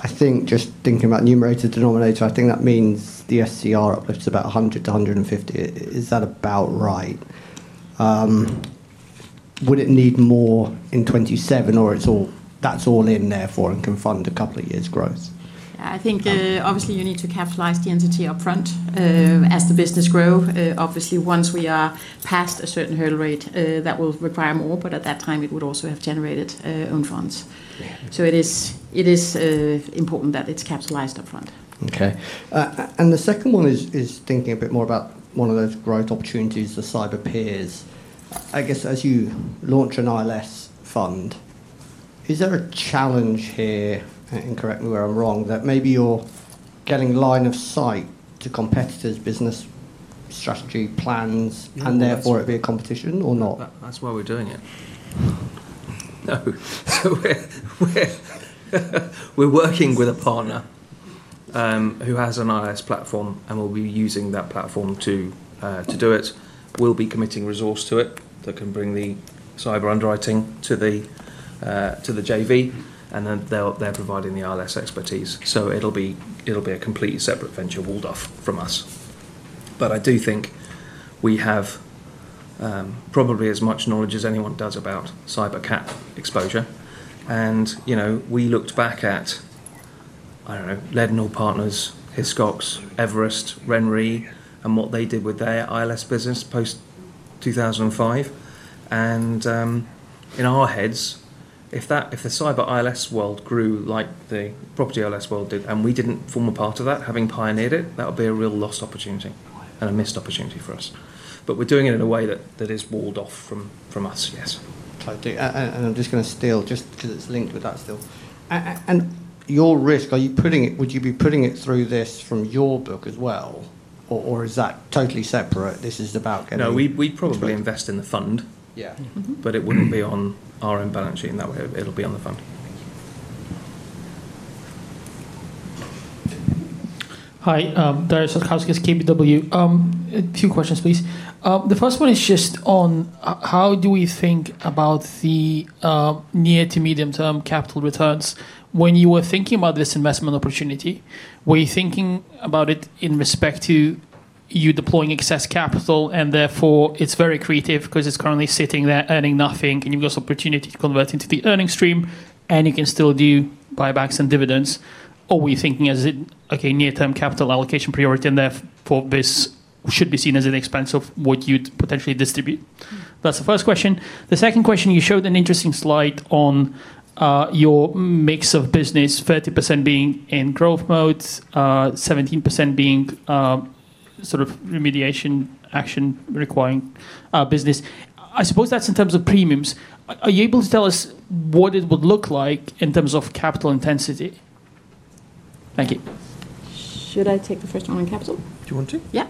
I think just thinking about numerator denominator, I think that means the SCR uplift is about 100 to 150. Is that about right? Would it need more in 2027 or it's all, that's all in there for and can fund a couple of years' growth? I think, obviouswly you need to capitalize the entity upfront, as the business grows. Obviously once we are past a certain hurdle rate, that will require more, but at that time it would also have generated own funds. So it is, it is important that it's capitalized upfront. Okay. The second one is, is thinking a bit more about one of those growth opportunities for cyber peers. I guess as you launch an ILS fund, is there a challenge here, and correct me where I'm wrong, that maybe you're getting line of sight to competitors' business strategy plans and therefore it'd be a competition or not? That's why we're doing it. No. We're working with a partner, who has an ILS platform and will be using that platform to do it. We'll be committing resource to it that can bring the cyber underwriting to the JV. They're providing the ILS expertise. It will be a completely separate venture walled off from us. I do think we have probably as much knowledge as anyone does about cyber cap exposure. You know, we looked back at, I don't know, Leadenhall Partners, Hiscox, Everest, RenRe, and what they did with their ILS business post 2005. In our heads, if the cyber ILS world grew like the property ILS world did and we did not form a part of that, having pioneered it, that would be a real lost opportunity and a missed opportunity for us. We are doing it in a way that is walled off from us, yes. I do. I am just going to steal just because it is linked with that still. Your risk, are you putting it, would you be putting it through this from your book as well? Or is that totally separate? This is about getting... No, we would probably invest in the fund. Yeah. But it would not be on our own balance sheet in that way. It will be on the fund. Thank you. Hi, Darius Satkauskas from KBW. A few questions, please. The first one is just on how do we think about the, near to medium term capital returns? When you were thinking about this investment opportunity, were you thinking about it in respect to you deploying excess capital and therefore it's very accretive because it's currently sitting there earning nothing and you've got this opportunity to convert into the earning stream and you can still do buybacks and dividends? Or were you thinking as a, okay, near term capital allocation priority and therefore this should be seen as an expense of what you'd potentially distribute? That's the first question. The second question, you showed an interesting slide on, your mix of business, 30% being in growth modes, 17% being, sort of remediation action requiring, business. I suppose that's in terms of premiums. Are you able to tell us what it would look like in terms of capital intensity? Thank you. Should I take the first one on capital? Do you want to? Yeah.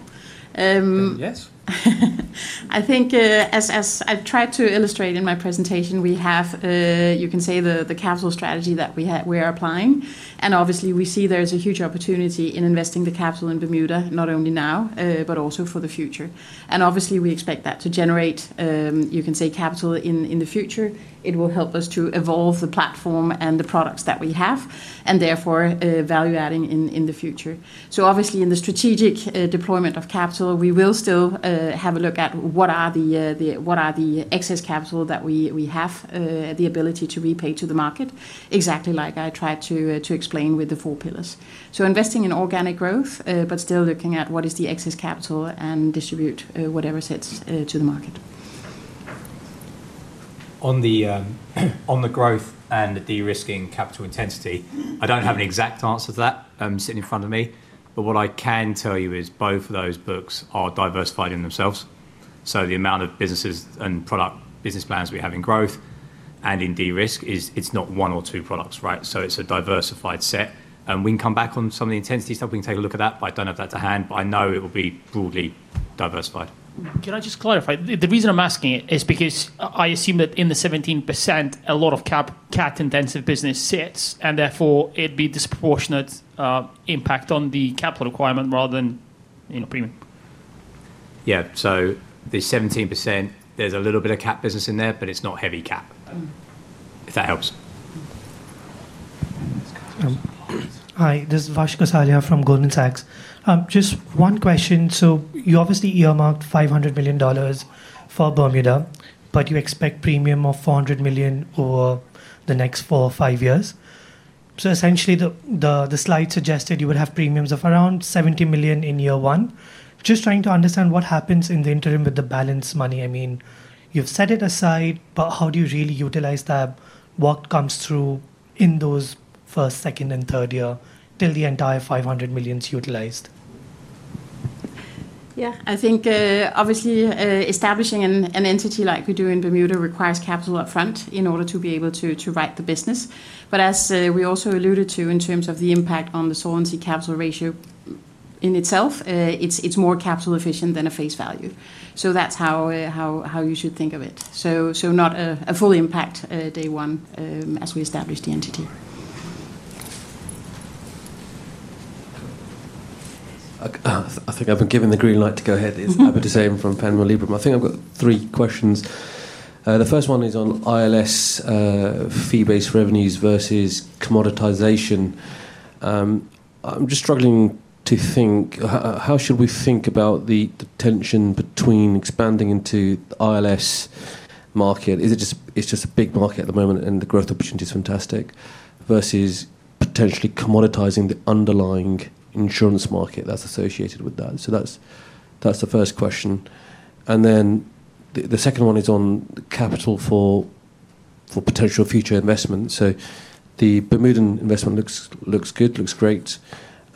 Yes. I think, as I've tried to illustrate in my presentation, we have, you can say the capital strategy that we have, we are applying. Obviously we see there's a huge opportunity in investing the capital in Bermuda, not only now, but also for the future. Obviously we expect that to generate, you can say capital in the future. It will help us to evolve the platform and the products that we have and therefore value adding in the future. Obviously in the strategic deployment of capital, we will still have a look at what are the excess capital that we have, the ability to repay to the market, exactly like I tried to explain with the four pillars. Investing in organic growth, but still looking at what is the excess capital and distribute, whatever sets to the market. On the growth and de-risking capital intensity, I do not have an exact answer to that, sitting in front of me. What I can tell you is both of those books are diversified in themselves. The amount of businesses and product business plans we have in growth and in de-risk is, it is not one or two products, right? It is a diversified set. We can come back on some of the intensity stuff. We can take a look at that, but I do not have that to hand, but I know it will be broadly diversified. Can I just clarify? The reason I'm asking it is because I assume that in the 17%, a lot of cap, cap intensive business sits and therefore it'd be disproportionate, impact on the capital requirement rather than, you know, premium. Yeah. The 17%, there's a little bit of cap business in there, but it's not heavy cap, if that helps. Hi, this is Vishal Sanyal from Goldman Sachs. Just one question. You obviously earmarked $500 million for Bermuda, but you expect premium of $400 million over the next four or five years. Essentially, the slide suggested you would have premiums of around $70 million in year one. Just trying to understand what happens in the interim with the balance money. I mean, you've set it aside, but how do you really utilize that? What comes through in those first, second, and third year till the entire $500 million is utilized? Yeah, I think, obviously, establishing an entity like we do in Bermuda requires capital upfront in order to be able to, to write the business. As we also alluded to in terms of the impact on the solvency capital ratio in itself, it's more capital efficient than a face value. That's how you should think of it. Not a full impact, day one, as we establish the entity. I think I've been given the green light to go ahead. It's Albert Desmedt from Panmure Liberum. I think I've got three questions. The first one is on ILS, fee-based revenues versus commoditization. I'm just struggling to think, how should we think about the tension between expanding into the ILS market? Is it just, it's just a big market at the moment and the growth opportunity is fantastic versus potentially commoditizing the underlying insurance market that's associated with that? That's the first question. The second one is on capital for potential future investment. The Bermudan investment looks good, looks great.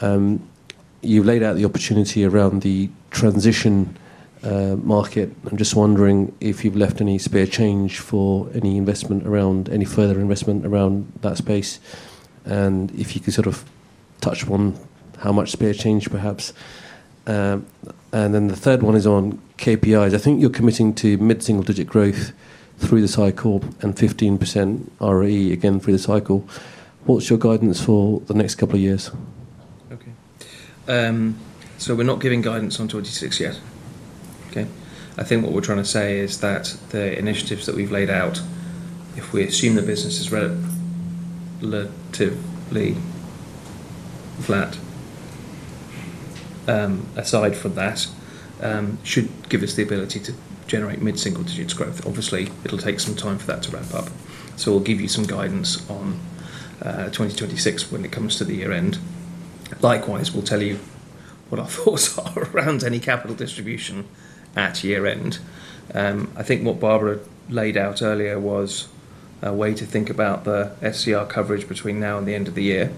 You've laid out the opportunity around the transition market. I'm just wondering if you've left any spare change for any investment around any further investment around that space and if you could sort of touch on how much spare change perhaps. The third one is on KPIs. I think you're committing to mid-single digit growth through the cycle and 15% ROE again through the cycle. What's your guidance for the next couple of years? We're not giving guidance on 2026 yet. Okay. I think what we're trying to say is that the initiatives that we've laid out, if we assume the business is relatively flat, aside from that, should give us the ability to generate mid-single digit growth. Obviously, it'll take some time for that to ramp up. We'll give you some guidance on 2026 when it comes to the year end. Likewise, we'll tell you what our thoughts are around any capital distribution at year end. I think what Barbara (role uncertain) laid out earlier was a way to think about the SCR coverage between now and the end of the year,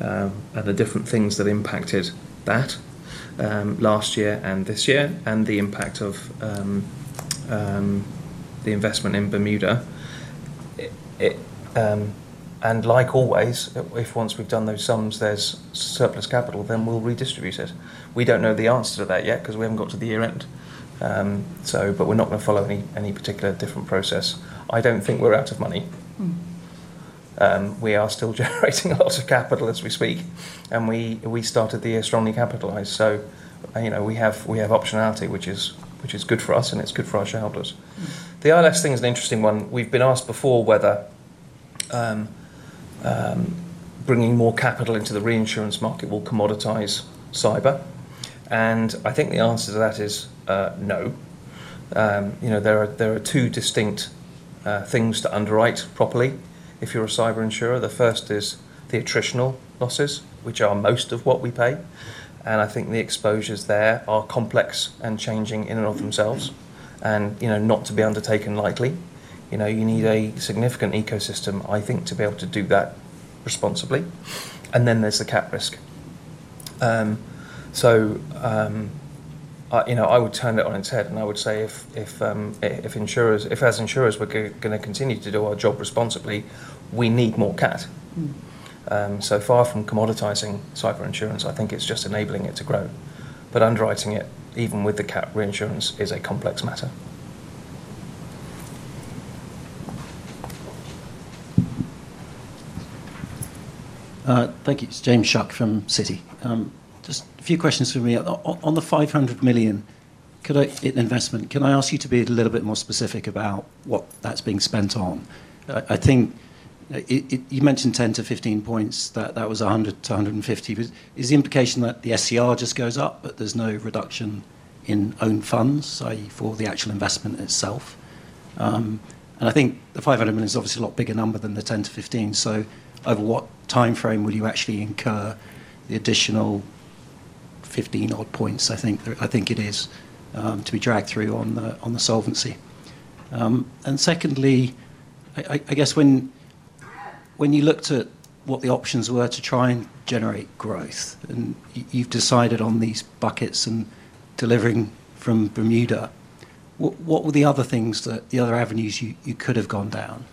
and the different things that impacted that last year and this year and the impact of the investment in Bermuda. Like always, if once we've done those sums, there's surplus capital, then we'll redistribute it. We don't know the answer to that yet because we haven't got to the year end. However, we're not going to follow any particular different process. I don't think we're out of money. We are still generating a lot of capital as we speak. We started the year strongly capitalized. You know, we have optionality, which is good for us and it's good for our shareholders. The ILS thing is an interesting one. We've been asked before whether bringing more capital into the reinsurance market will commoditize cyber. I think the answer to that is no. You know, there are two distinct things to underwrite properly. If you're a cyber insurer, the first is the attritional losses, which are most of what we pay. I think the exposures there are complex and changing in and of themselves and, you know, not to be undertaken lightly. You know, you need a significant ecosystem, I think, to be able to do that responsibly. Then there's the cap risk. You know, I would turn it on its head and I would say if insurers, if as insurers we're going to continue to do our job responsibly, we need more cap. Far from commoditizing cyber insurance, I think it's just enabling it to grow. Underwriting it, even with the cap reinsurance, is a complex matter. Thank you. It's James Shuck from Citi. Just a few questions for me. On the $500 million investment, can I ask you to be a little bit more specific about what that's being spent on? I think you mentioned 10 to 15 points that that was 100 to 150. Is the implication that the SCR just goes up, but there's no reduction in own funds, i.e., for the actual investment itself? I think the $500 million is obviously a lot bigger number than the 10 to 15. Over what timeframe will you actually incur the additional 15 odd points? I think it is, to be dragged through on the, on the solvency. Secondly, I guess when you looked at what the options were to try and generate growth and you've decided on these buckets and delivering from Bermuda, what were the other things that the other avenues you could have gone down?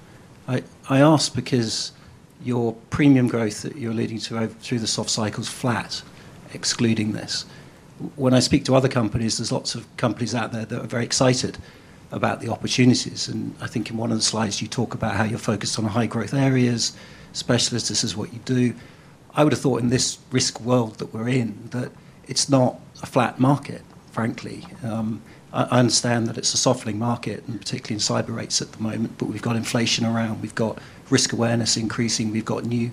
I ask because your premium growth that you're leading to through the soft cycle is flat, excluding this. When I speak to other companies, there's lots of companies out there that are very excited about the opportunities. I think in one of the slides you talk about how you're focused on high growth areas, specialists, this is what you do. I would have thought in this risk world that we're in that it's not a flat market, frankly. I understand that it's a softening market and particularly in cyber rates at the moment, but we've got inflation around, we've got risk awareness increasing, we've got new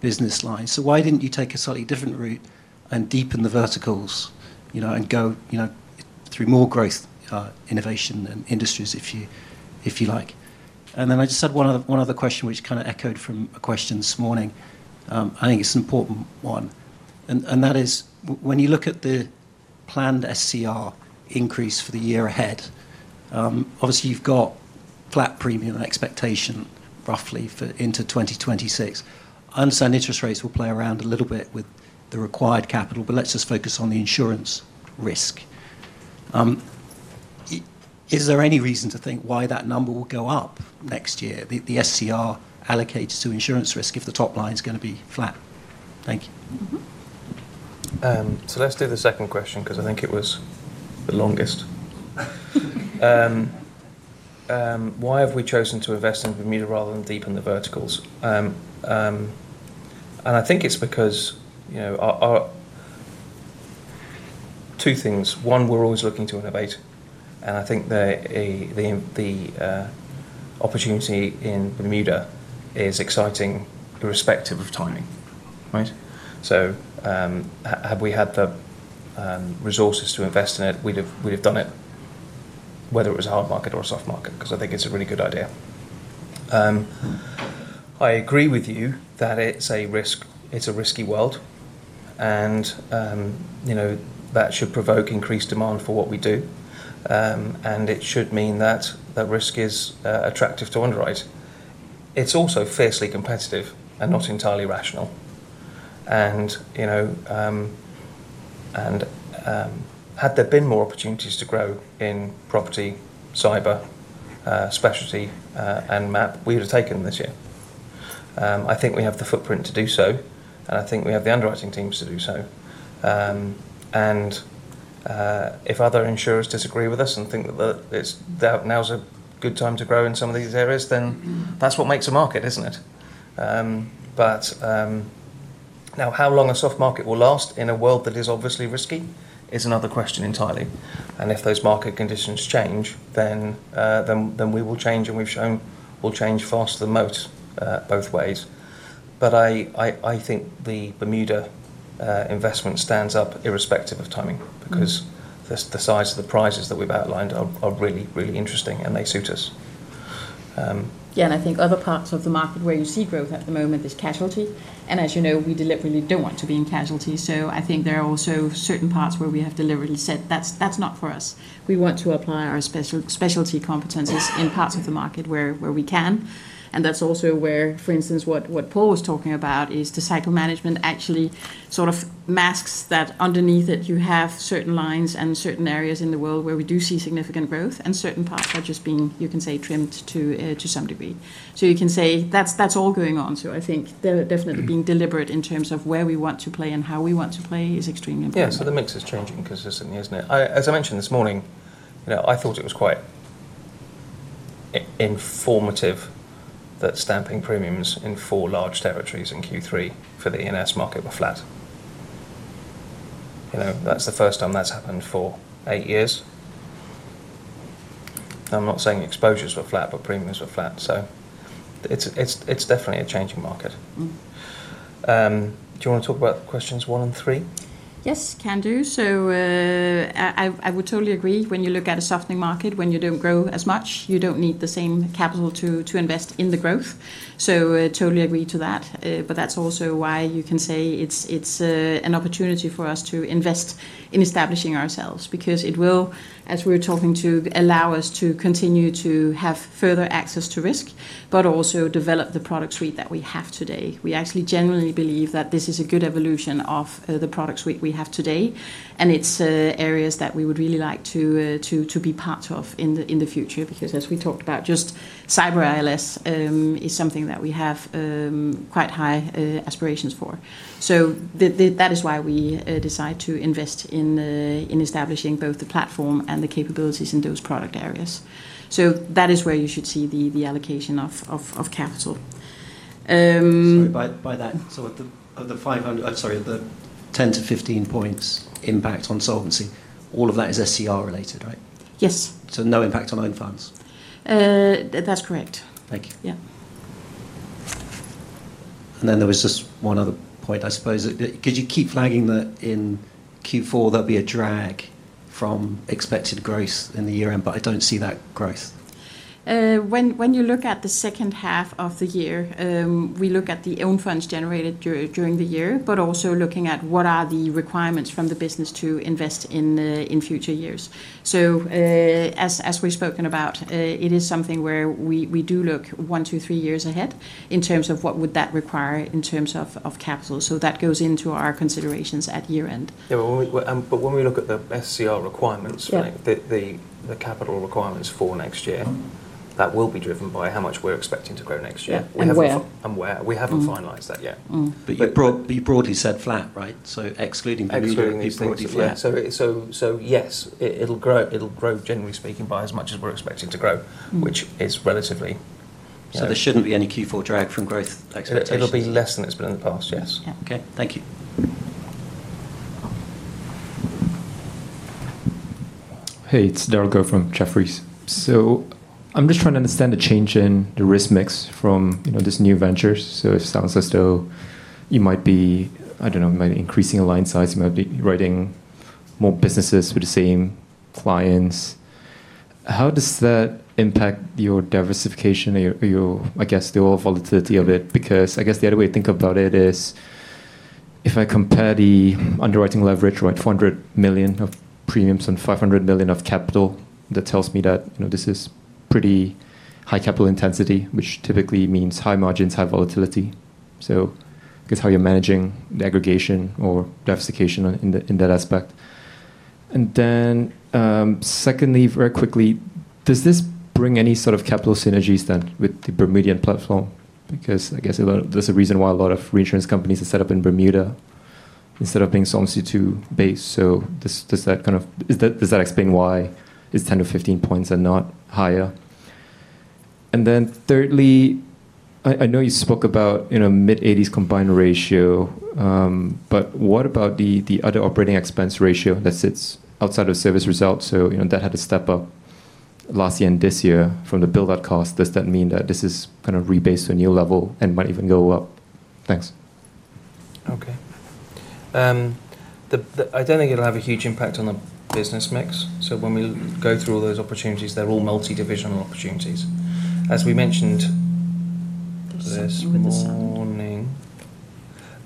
business lines. Why didn't you take a slightly different route and deepen the verticals, you know, and go, you know, through more growth, innovation and industries if you like? I just had one other, one other question which kind of echoed from a question this morning. I think it's an important one. When you look at the planned SCR increase for the year ahead, obviously you've got flat premium expectation roughly for into 2026. I understand interest rates will play around a little bit with the required capital, but let's just focus on the insurance risk. Is there any reason to think why that number will go up next year? The SCR allocates to insurance risk if the top line is going to be flat. Thank you. Let's do the second question because I think it was the longest. Why have we chosen to invest in Bermuda rather than deepen the verticals? I think it's because, you know, two things. One, we're always looking to innovate. I think the opportunity in Bermuda is exciting irrespective of timing, right? Had we had the resources to invest in it, we'd have done it whether it was a hard market or a soft market, because I think it's a really good idea. I agree with you that it's a risk, it's a risky world. And, you know, that should provoke increased demand for what we do, and it should mean that that risk is attractive to underwrite. It's also fiercely competitive and not entirely rational. You know, had there been more opportunities to grow in property, cyber, specialty, and MAP, we would have taken them this year. I think we have the footprint to do so. I think we have the underwriting teams to do so. And, if other insurers disagree with us and think that now's a good time to grow in some of these areas, then that's what makes a market, isn't it? Now, how long a soft market will last in a world that is obviously risky is another question entirely. If those market conditions change, then we will change and we've shown we'll change fast and move, both ways. I think the Bermuda investment stands up irrespective of timing because the size of the prizes that we've outlined are really, really interesting and they suit us. Yeah, and I think other parts of the market where you see growth at the moment is casualty. As you know, we deliberately don't want to be in casualty. I think there are also certain parts where we have deliberately said, that's not for us. We want to apply our special, specialty competencies in parts of the market where we can. That is also where, for instance, what Paul was talking about is the cycle management actually sort of masks that underneath it, you have certain lines and certain areas in the world where we do see significant growth and certain parts are just being, you can say, trimmed to some degree. You can say that is all going on. I think they are definitely being deliberate in terms of where we want to play and how we want to play is extremely important. Yeah, the mix is changing consistently, is it not? As I mentioned this morning, I thought it was quite informative that stamping premiums in four large territories in Q3 for the E&S market were flat. You know, that's the first time that's happened for eight years. I'm not saying exposures were flat, but premiums were flat. It's definitely a changing market. Do you want to talk about questions one and three? Yes, can do. I would totally agree. When you look at a softening market, when you don't grow as much, you don't need the same capital to invest in the growth. I totally agree to that. That's also why you can say it's an opportunity for us to invest in establishing ourselves because it will, as we're talking to, allow us to continue to have further access to risk, but also develop the product suite that we have today. We actually genuinely believe that this is a good evolution of the products we have today. It is areas that we would really like to be part of in the future because as we talked about, just cyber ILS is something that we have quite high aspirations for. That is why we decide to invest in establishing both the platform and the capabilities in those product areas. That is where you should see the allocation of capital. Sorry, by that, the 500, I'm sorry, the 10-15 points impact on solvency, all of that is SCR related, right? Yes. No impact on own funds? That's correct. Thank you. Yeah. There was just one other point, I suppose. Could you keep flagging that in Q4 there will be a drag from expected growth in the year end, but I do not see that growth. When you look at the second half of the year, we look at the own funds generated during the year, but also looking at what are the requirements from the business to invest in future years. As we've spoken about, it is something where we do look one, two, three years ahead in terms of what would that require in terms of capital. That goes into our considerations at year end. When we look at the SCR requirements, right, the capital requirements for next year, that will be driven by how much we're expecting to grow next year. We haven't finalized that yet. You broadly said flat, right? Excluding Bermuda. Excluding Bermuda, yeah. Yes, it'll grow, it'll grow generally speaking by as much as we're expecting to grow, which is relatively. There shouldn't be any Q4 drag from growth expectations. It'll be less than it's been in the past. Yes. Okay. Thank you. Hey, it's Daryl Geng from Jefferies. I'm just trying to understand the change in the risk mix from, you know, this new venture. It sounds as though you might be, I don't know, maybe increasing align size, maybe writing more businesses with the same clients. How does that impact your diversification or your, I guess, the overall volatility of it? Because I guess the other way to think about it is if I compare the underwriting leverage, right, $400 million of premiums and $500 million of capital, that tells me that, you know, this is pretty high capital intensity, which typically means high margins, high volatility. I guess how you're managing the aggregation or diversification in that aspect. Secondly, very quickly, does this bring any sort of capital synergies then with the Bermudian platform? I guess there's a reason why a lot of reinsurance companies are set up in Bermuda instead of being Solvency II based. Does that kind of, does that explain why it's 10-15 percentage points and not higher? Thirdly, I know you spoke about, you know, mid 80s combined ratio, but what about the other operating expense ratio that sits outside of service results? You know, that had a step up last year and this year from the build out cost. Does that mean that this is kind of rebased on your level and might even go up? Thanks. Okay. I don't think it'll have a huge impact on the business mix. When we go through all those opportunities, they're all multi-divisional opportunities. As we mentioned this morning,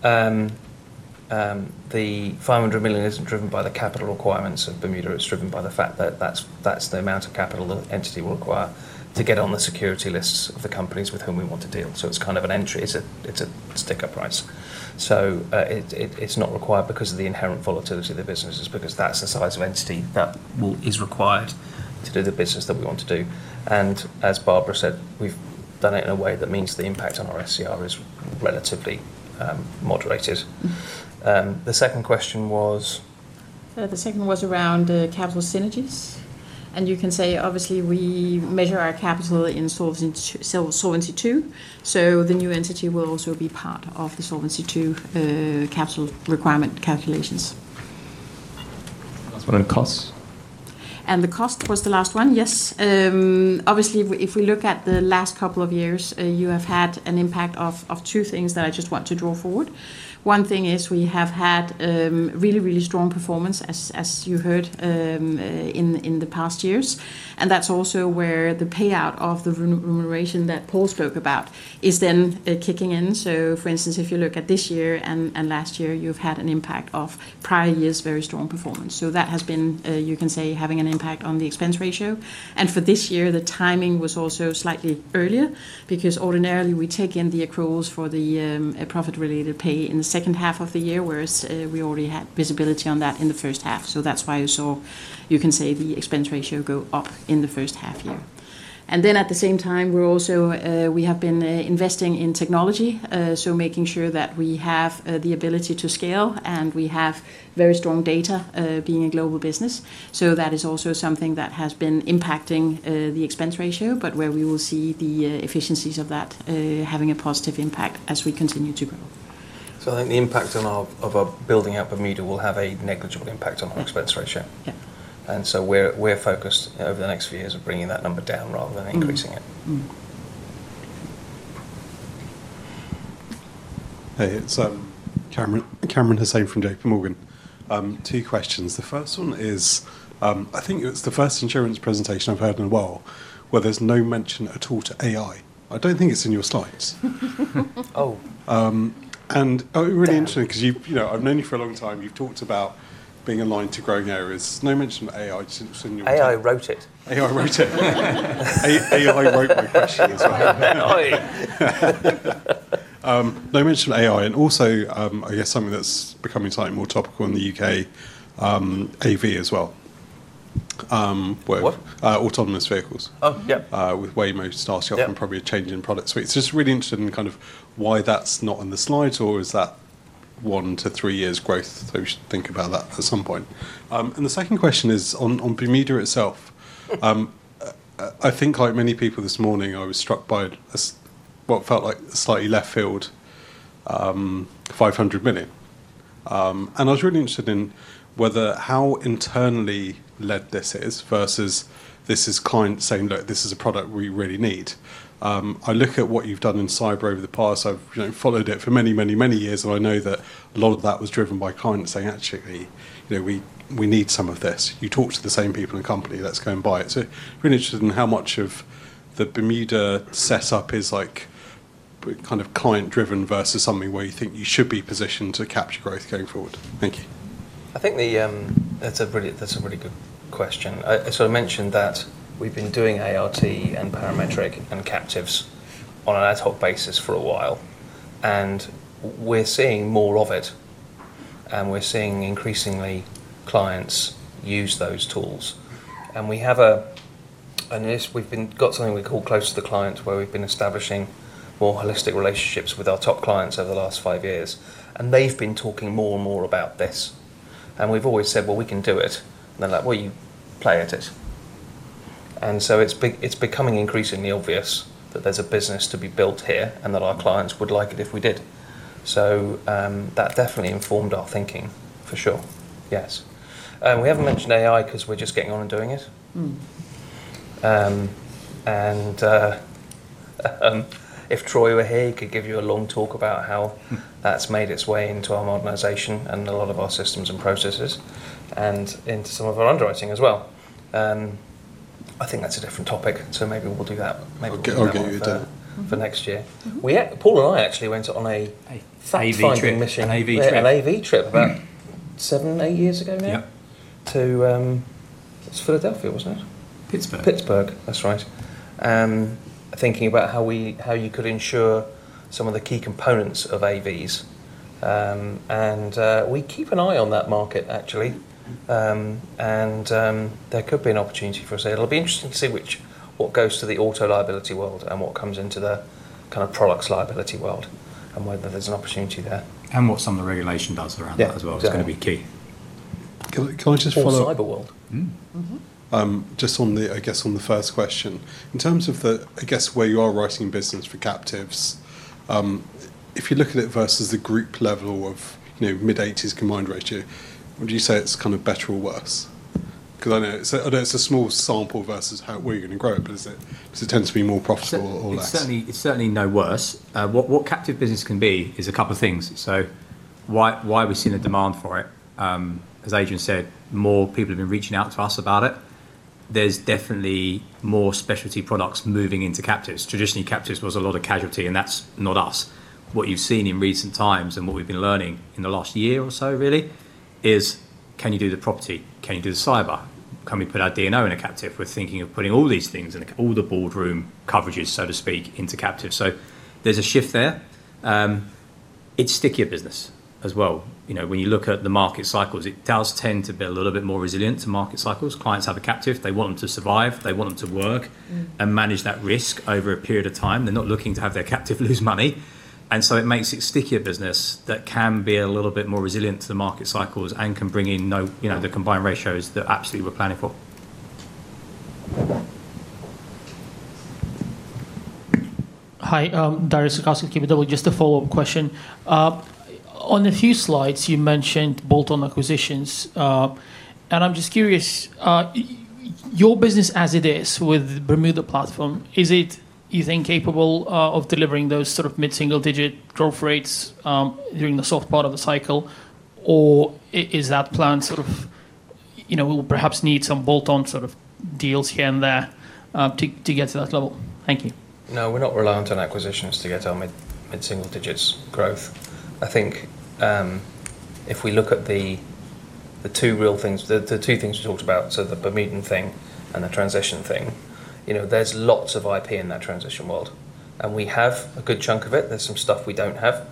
the $500 million isn't driven by the capital requirements of Bermuda. It's driven by the fact that that's the amount of capital the entity will require to get on the security lists of the companies with whom we want to deal. It's kind of an entry, it's a sticker price. It is not required because of the inherent volatility of the businesses, because that is the size of entity that is required to do the business that we want to do. As Barbara (role uncertain) said, we have done it in a way that means the impact on our SCR is relatively moderated. The second question was. The second was around the capital synergies. You can say, obviously, we measure our capital in Solvency II, so Solvency II. The new entity will also be part of the Solvency II capital requirement calculations. That is one of the costs. The cost was the last one. Yes. Obviously, if we look at the last couple of years, you have had an impact of two things that I just want to draw forward. One thing is we have had really, really strong performance, as you heard, in the past years. That's also where the payout of the remuneration that Paul spoke about is then kicking in. For instance, if you look at this year and last year, you've had an impact of prior years, very strong performance. That has been, you can say, having an impact on the expense ratio. For this year, the timing was also slightly earlier because ordinarily we take in the accruals for the profit related pay in the second half of the year, whereas we already had visibility on that in the first half. That's why you saw, you can say, the expense ratio go up in the first half year. At the same time, we're also, we have been, investing in technology, making sure that we have the ability to scale and we have very strong data, being a global business. That is also something that has been impacting the expense ratio, but where we will see the efficiencies of that having a positive impact as we continue to grow. I think the impact of our building up Bermuda will have a negligible impact on our expense ratio. Yeah. We're focused over the next few years on bringing that number down rather than increasing it. Hey, it's Cameron, Cameron Haisman from JP Morgan. Two questions. The first one is, I think it's the first insurance presentation I've heard in a while where there's no mention at all to AI. I don't think it's in your slides. Oh. and it's really interesting because you've, you know, I've known you for a long time. You've talked about being aligned to growing areas. No mention of AI since your. AI wrote it. AI wrote it. AI wrote my question as well. no mention of AI. And also, I guess something that's becoming slightly more topical in the U.K., AV as well. what? autonomous vehicles. Oh, yeah. with Waymo starting off and probably a change in product suites. Just really interested in kind of why that's not on the slides or is that one to three years growth that we should think about that at some point. and the second question is on, on Bermuda itself. I think like many people this morning, I was struck by a, what felt like a slightly left field, $500 million. I was really interested in whether how internally led this is versus this is clients saying, look, this is a product we really need. I look at what you've done in cyber over the past. I've, you know, followed it for many, many, many years. And I know that a lot of that was driven by clients saying, actually, you know, we, we need some of this. You talk to the same people in a company, let's go and buy it. Really interested in how much of the Bermuda setup is like kind of client driven versus something where you think you should be positioned to capture growth going forward. Thank you. I think that's a really, that's a really good question. I sort of mentioned that we've been doing ART and parametric and captives on an ad hoc basis for a while. We're seeing more of it. We're seeing increasingly clients use those tools. We have something we call close to the clients where we've been establishing more holistic relationships with our top clients over the last five years. They've been talking more and more about this. We've always said, well, we can do it. They're like, well, you play at it. It's becoming increasingly obvious that there's a business to be built here and that our clients would like it if we did. That definitely informed our thinking for sure. Yes. We haven't mentioned AI because we're just getting on and doing it. And, if Troy were here, he could give you a long talk about how that's made its way into our modernization and a lot of our systems and processes and into some of our underwriting as well. I think that's a different topic. Maybe we'll do that. Maybe we'll do that for next year. We, Paul and I actually went on a fine AV trip, AV trip about seven, eight years ago now. Yeah. To, it's Philadelphia, wasn't it? Pittsburgh. Pittsburgh. That's right. Thinking about how we, how you could insure some of the key components of AVs. And, we keep an eye on that market actually. And, there could be an opportunity for us. It'll be interesting to see which, what goes to the auto liability world and what comes into the kind of products liability world and whether there's an opportunity there. What some of the regulation does around that as well. It's going to be key. Can I just follow up? The cyber world. Just on the, I guess on the first question, in terms of the, I guess where you are writing business for captives, if you look at it versus the group level of, you know, mid 80s combined ratio, would you say it's kind of better or worse? Because I know it's a, I know it's a small sample versus how we're going to grow it, but is it, does it tend to be more profitable or less? It's certainly, it's certainly no worse. What captive business can be is a couple of things. So why, why are we seeing a demand for it? As Adrian said, more people have been reaching out to us about it. There's definitely more specialty products moving into captives. Traditionally, captives was a lot of casualty and that's not us. What you've seen in recent times and what we've been learning in the last year or so really is, can you do the property? Can you do the cyber? Can we put our D&O in a captive? We're thinking of putting all these things in the, all the boardroom coverages, so to speak, into captive. So there's a shift there. It's stickier business as well. You know, when you look at the market cycles, it does tend to be a little bit more resilient to market cycles. Clients have a captive. They want them to survive. They want them to work and manage that risk over a period of time. They're not looking to have their captive lose money. It makes it stickier business that can be a little bit more resilient to the market cycles and can bring in, you know, the combined ratios that absolutely we're planning for. Hi, Darius Satkauskas of KBW, just a follow-up question. On a few slides, you mentioned bolt-on acquisitions. I'm just curious, your business as it is with Bermuda platform, is it capable of delivering those sort of mid single digit growth rates during the soft part of the cycle? Or is that plan sort of, you know, we'll perhaps need some bolt-on sort of deals here and there to get to that level? Thank you. No, we're not reliant on acquisitions to get our mid, mid single digits growth. I think, if we look at the two real things, the two things we talked about, the Bermudan thing and the transition thing, you know, there's lots of IP in that transition world. And we have a good chunk of it. There's some stuff we don't have.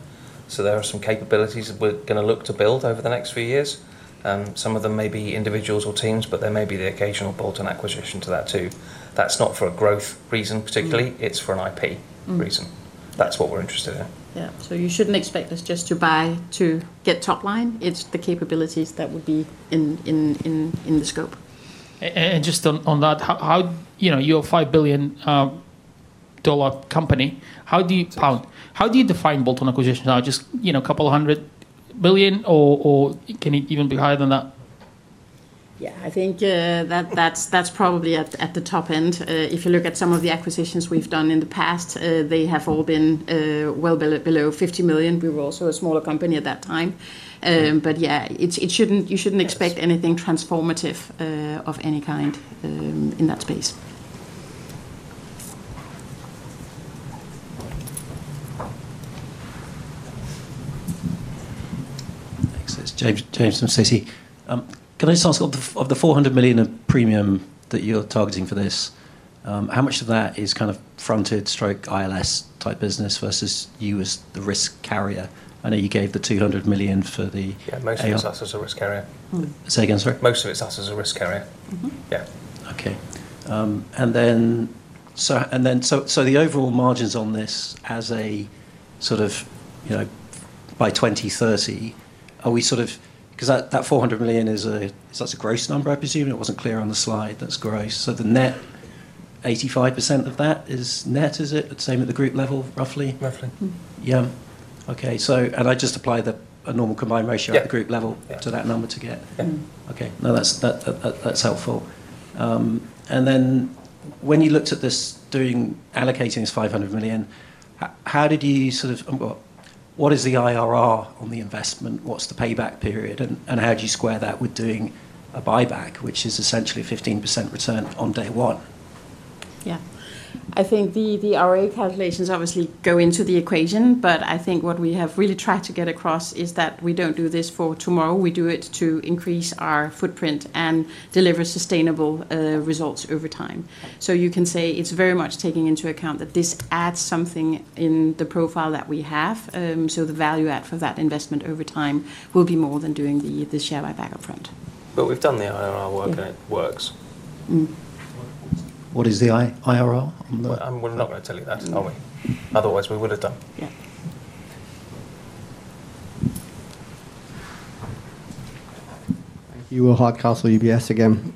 There are some capabilities that we're going to look to build over the next few years. Some of them may be individuals or teams, but there may be the occasional bolt-on acquisition to that too. That's not for a growth reason particularly. It's for an IP reason. That's what we're interested in. Yeah. You shouldn't expect us just to buy to get top line. It's the capabilities that would be in the scope. Just on that, how, you know, you're a $5 billion dollar company. How do you, how do you define bolt-on acquisitions? Now, just, you know, a couple of hundred million or, or can it even be higher than that? Yeah, I think, that, that's, that's probably at, at the top end. If you look at some of the acquisitions we've done in the past, they have all been, well below $50 million. We were also a smaller company at that time. Yeah, it shouldn't, you shouldn't expect anything transformative, of any kind, in that space. Thanks. James, James from Citi. Can I just ask of the, of the $400 million of premium that you're targeting for this, how much of that is kind of fronted stroke ILS type business versus you as the risk carrier? I know you gave the $200 million for the. Yeah, most of it's us as a risk carrier. Say again, sorry. Most of it's us as a risk carrier. Yeah. Okay. And then, so, and then, so, so the overall margins on this as a sort of, you know, by 2030, are we sort of, because that, that $400 million is a, that's a gross number, I presume. It wasn't clear on the slide. That's gross. So the net, 85% of that is net, is it the same at the group level, roughly? Roughly. Yeah. Okay. So, and I just apply the a normal combined ratio at the group level to that number to get. Okay. No, that's, that, that, that's helpful. And then when you looked at this doing allocating this $500 million, how did you sort of, what, what is the IRR on the investment? What's the payback period? And, and how do you square that with doing a buyback, which is essentially 15% return on day one? Yeah. I think the RA calculations obviously go into the equation, but I think what we have really tried to get across is that we don't do this for tomorrow. We do it to increase our footprint and deliver sustainable results over time. You can say it's very much taking into account that this adds something in the profile that we have. The value add for that investment over time will be more than doing the share buyback upfront. We've done the IRR work and it works. What is the IRR? I'm not going to tell you that, are we? Otherwise we would have done. Thank you. Will Hardcastle, UBS again.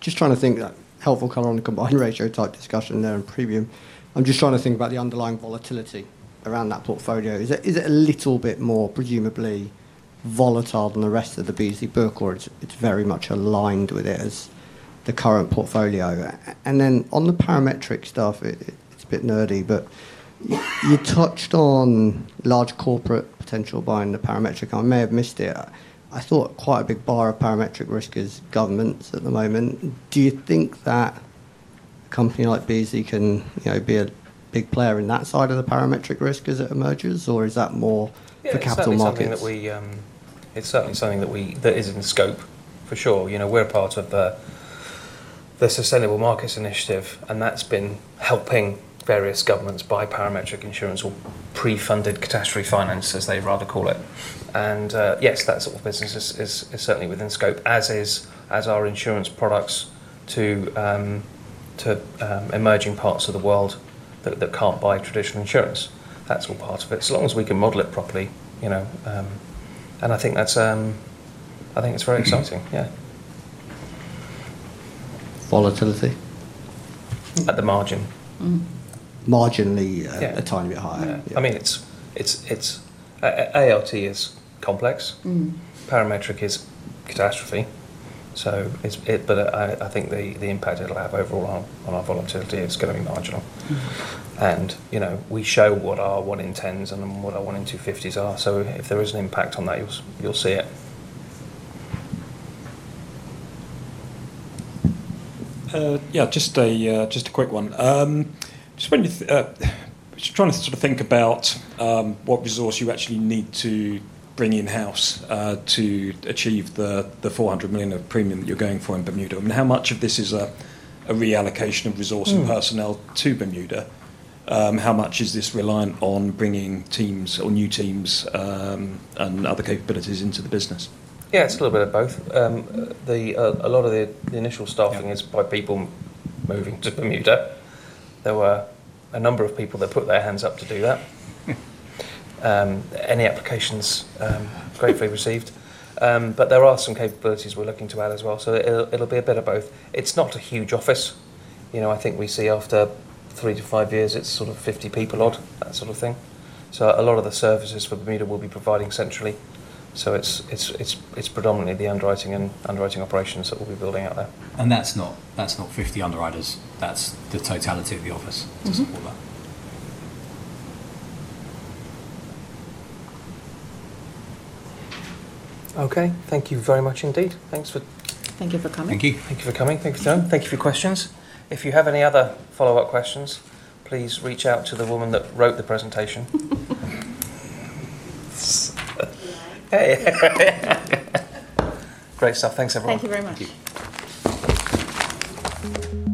Just trying to think that helpful comment on the combined ratio type discussion there in premium. I'm just trying to think about the underlying volatility around that portfolio. Is it a little bit more presumably volatile than the rest of the Beazley? It's very much aligned with it as the current portfolio. Then on the parametric stuff, it's a bit nerdy, but you touched on large corporate potential buying the parametric. I may have missed it. I thought quite a big bar of parametric risk is governments at the moment. Do you think that a company like Beazley can, you know, be a big player in that side of the parametric risk as it emerges? Or is that more for capital markets? It's certainly something that we, that is in scope for sure. You know, we're a part of the Sustainable Markets Initiative and that's been helping various governments buy parametric insurance or pre-funded catastrophe finance, as they rather call it. Yes, that sort of business is certainly within scope, as is our insurance products to emerging parts of the world that cannot buy traditional insurance. That is all part of it. As long as we can model it properly, you know, and I think that is, I think it is very exciting. Yeah. Volatility? At the margin. Marginally, a tiny bit higher. I mean, it is ALT, [unintelligible] it is complex. Parametric is catastrophe. So it is, but I think the impact it will have overall on our volatility is going to be marginal. And, you know, we show what our one in tens and what our one in two fifties are. If there is an impact on that, you will see it. Yeah, just a quick one. Just when you, just trying to sort of think about what resource you actually need to bring in-house to achieve the $400 million of premium that you're going for in Bermuda. I mean, how much of this is a reallocation of resource and personnel to Bermuda? How much is this reliant on bringing teams or new teams and other capabilities into the business? Yeah, it's a little bit of both. A lot of the initial staffing is by people moving to Bermuda. There were a number of people that put their hands up to do that. Any applications, gratefully received. But there are some capabilities we're looking to add as well. It'll be a bit of both. It's not a huge office. You know, I think we see after three to five years, it's sort of 50 people odd, that sort of thing. A lot of the services for Bermuda will be provided centrally. It's predominantly the underwriting and underwriting operations that we'll be building out there. That's not 50 underwriters. That's the totality of the office. It doesn't fall that. Okay. Thank you very much indeed. Thanks for. Thank you for coming. Thank you. Thank you for coming. Thank you for joining. Thank you for your questions. If you have any other follow-up questions, please reach out to the woman that wrote the presentation. Great stuff. Thanks everyone. Thank you very much.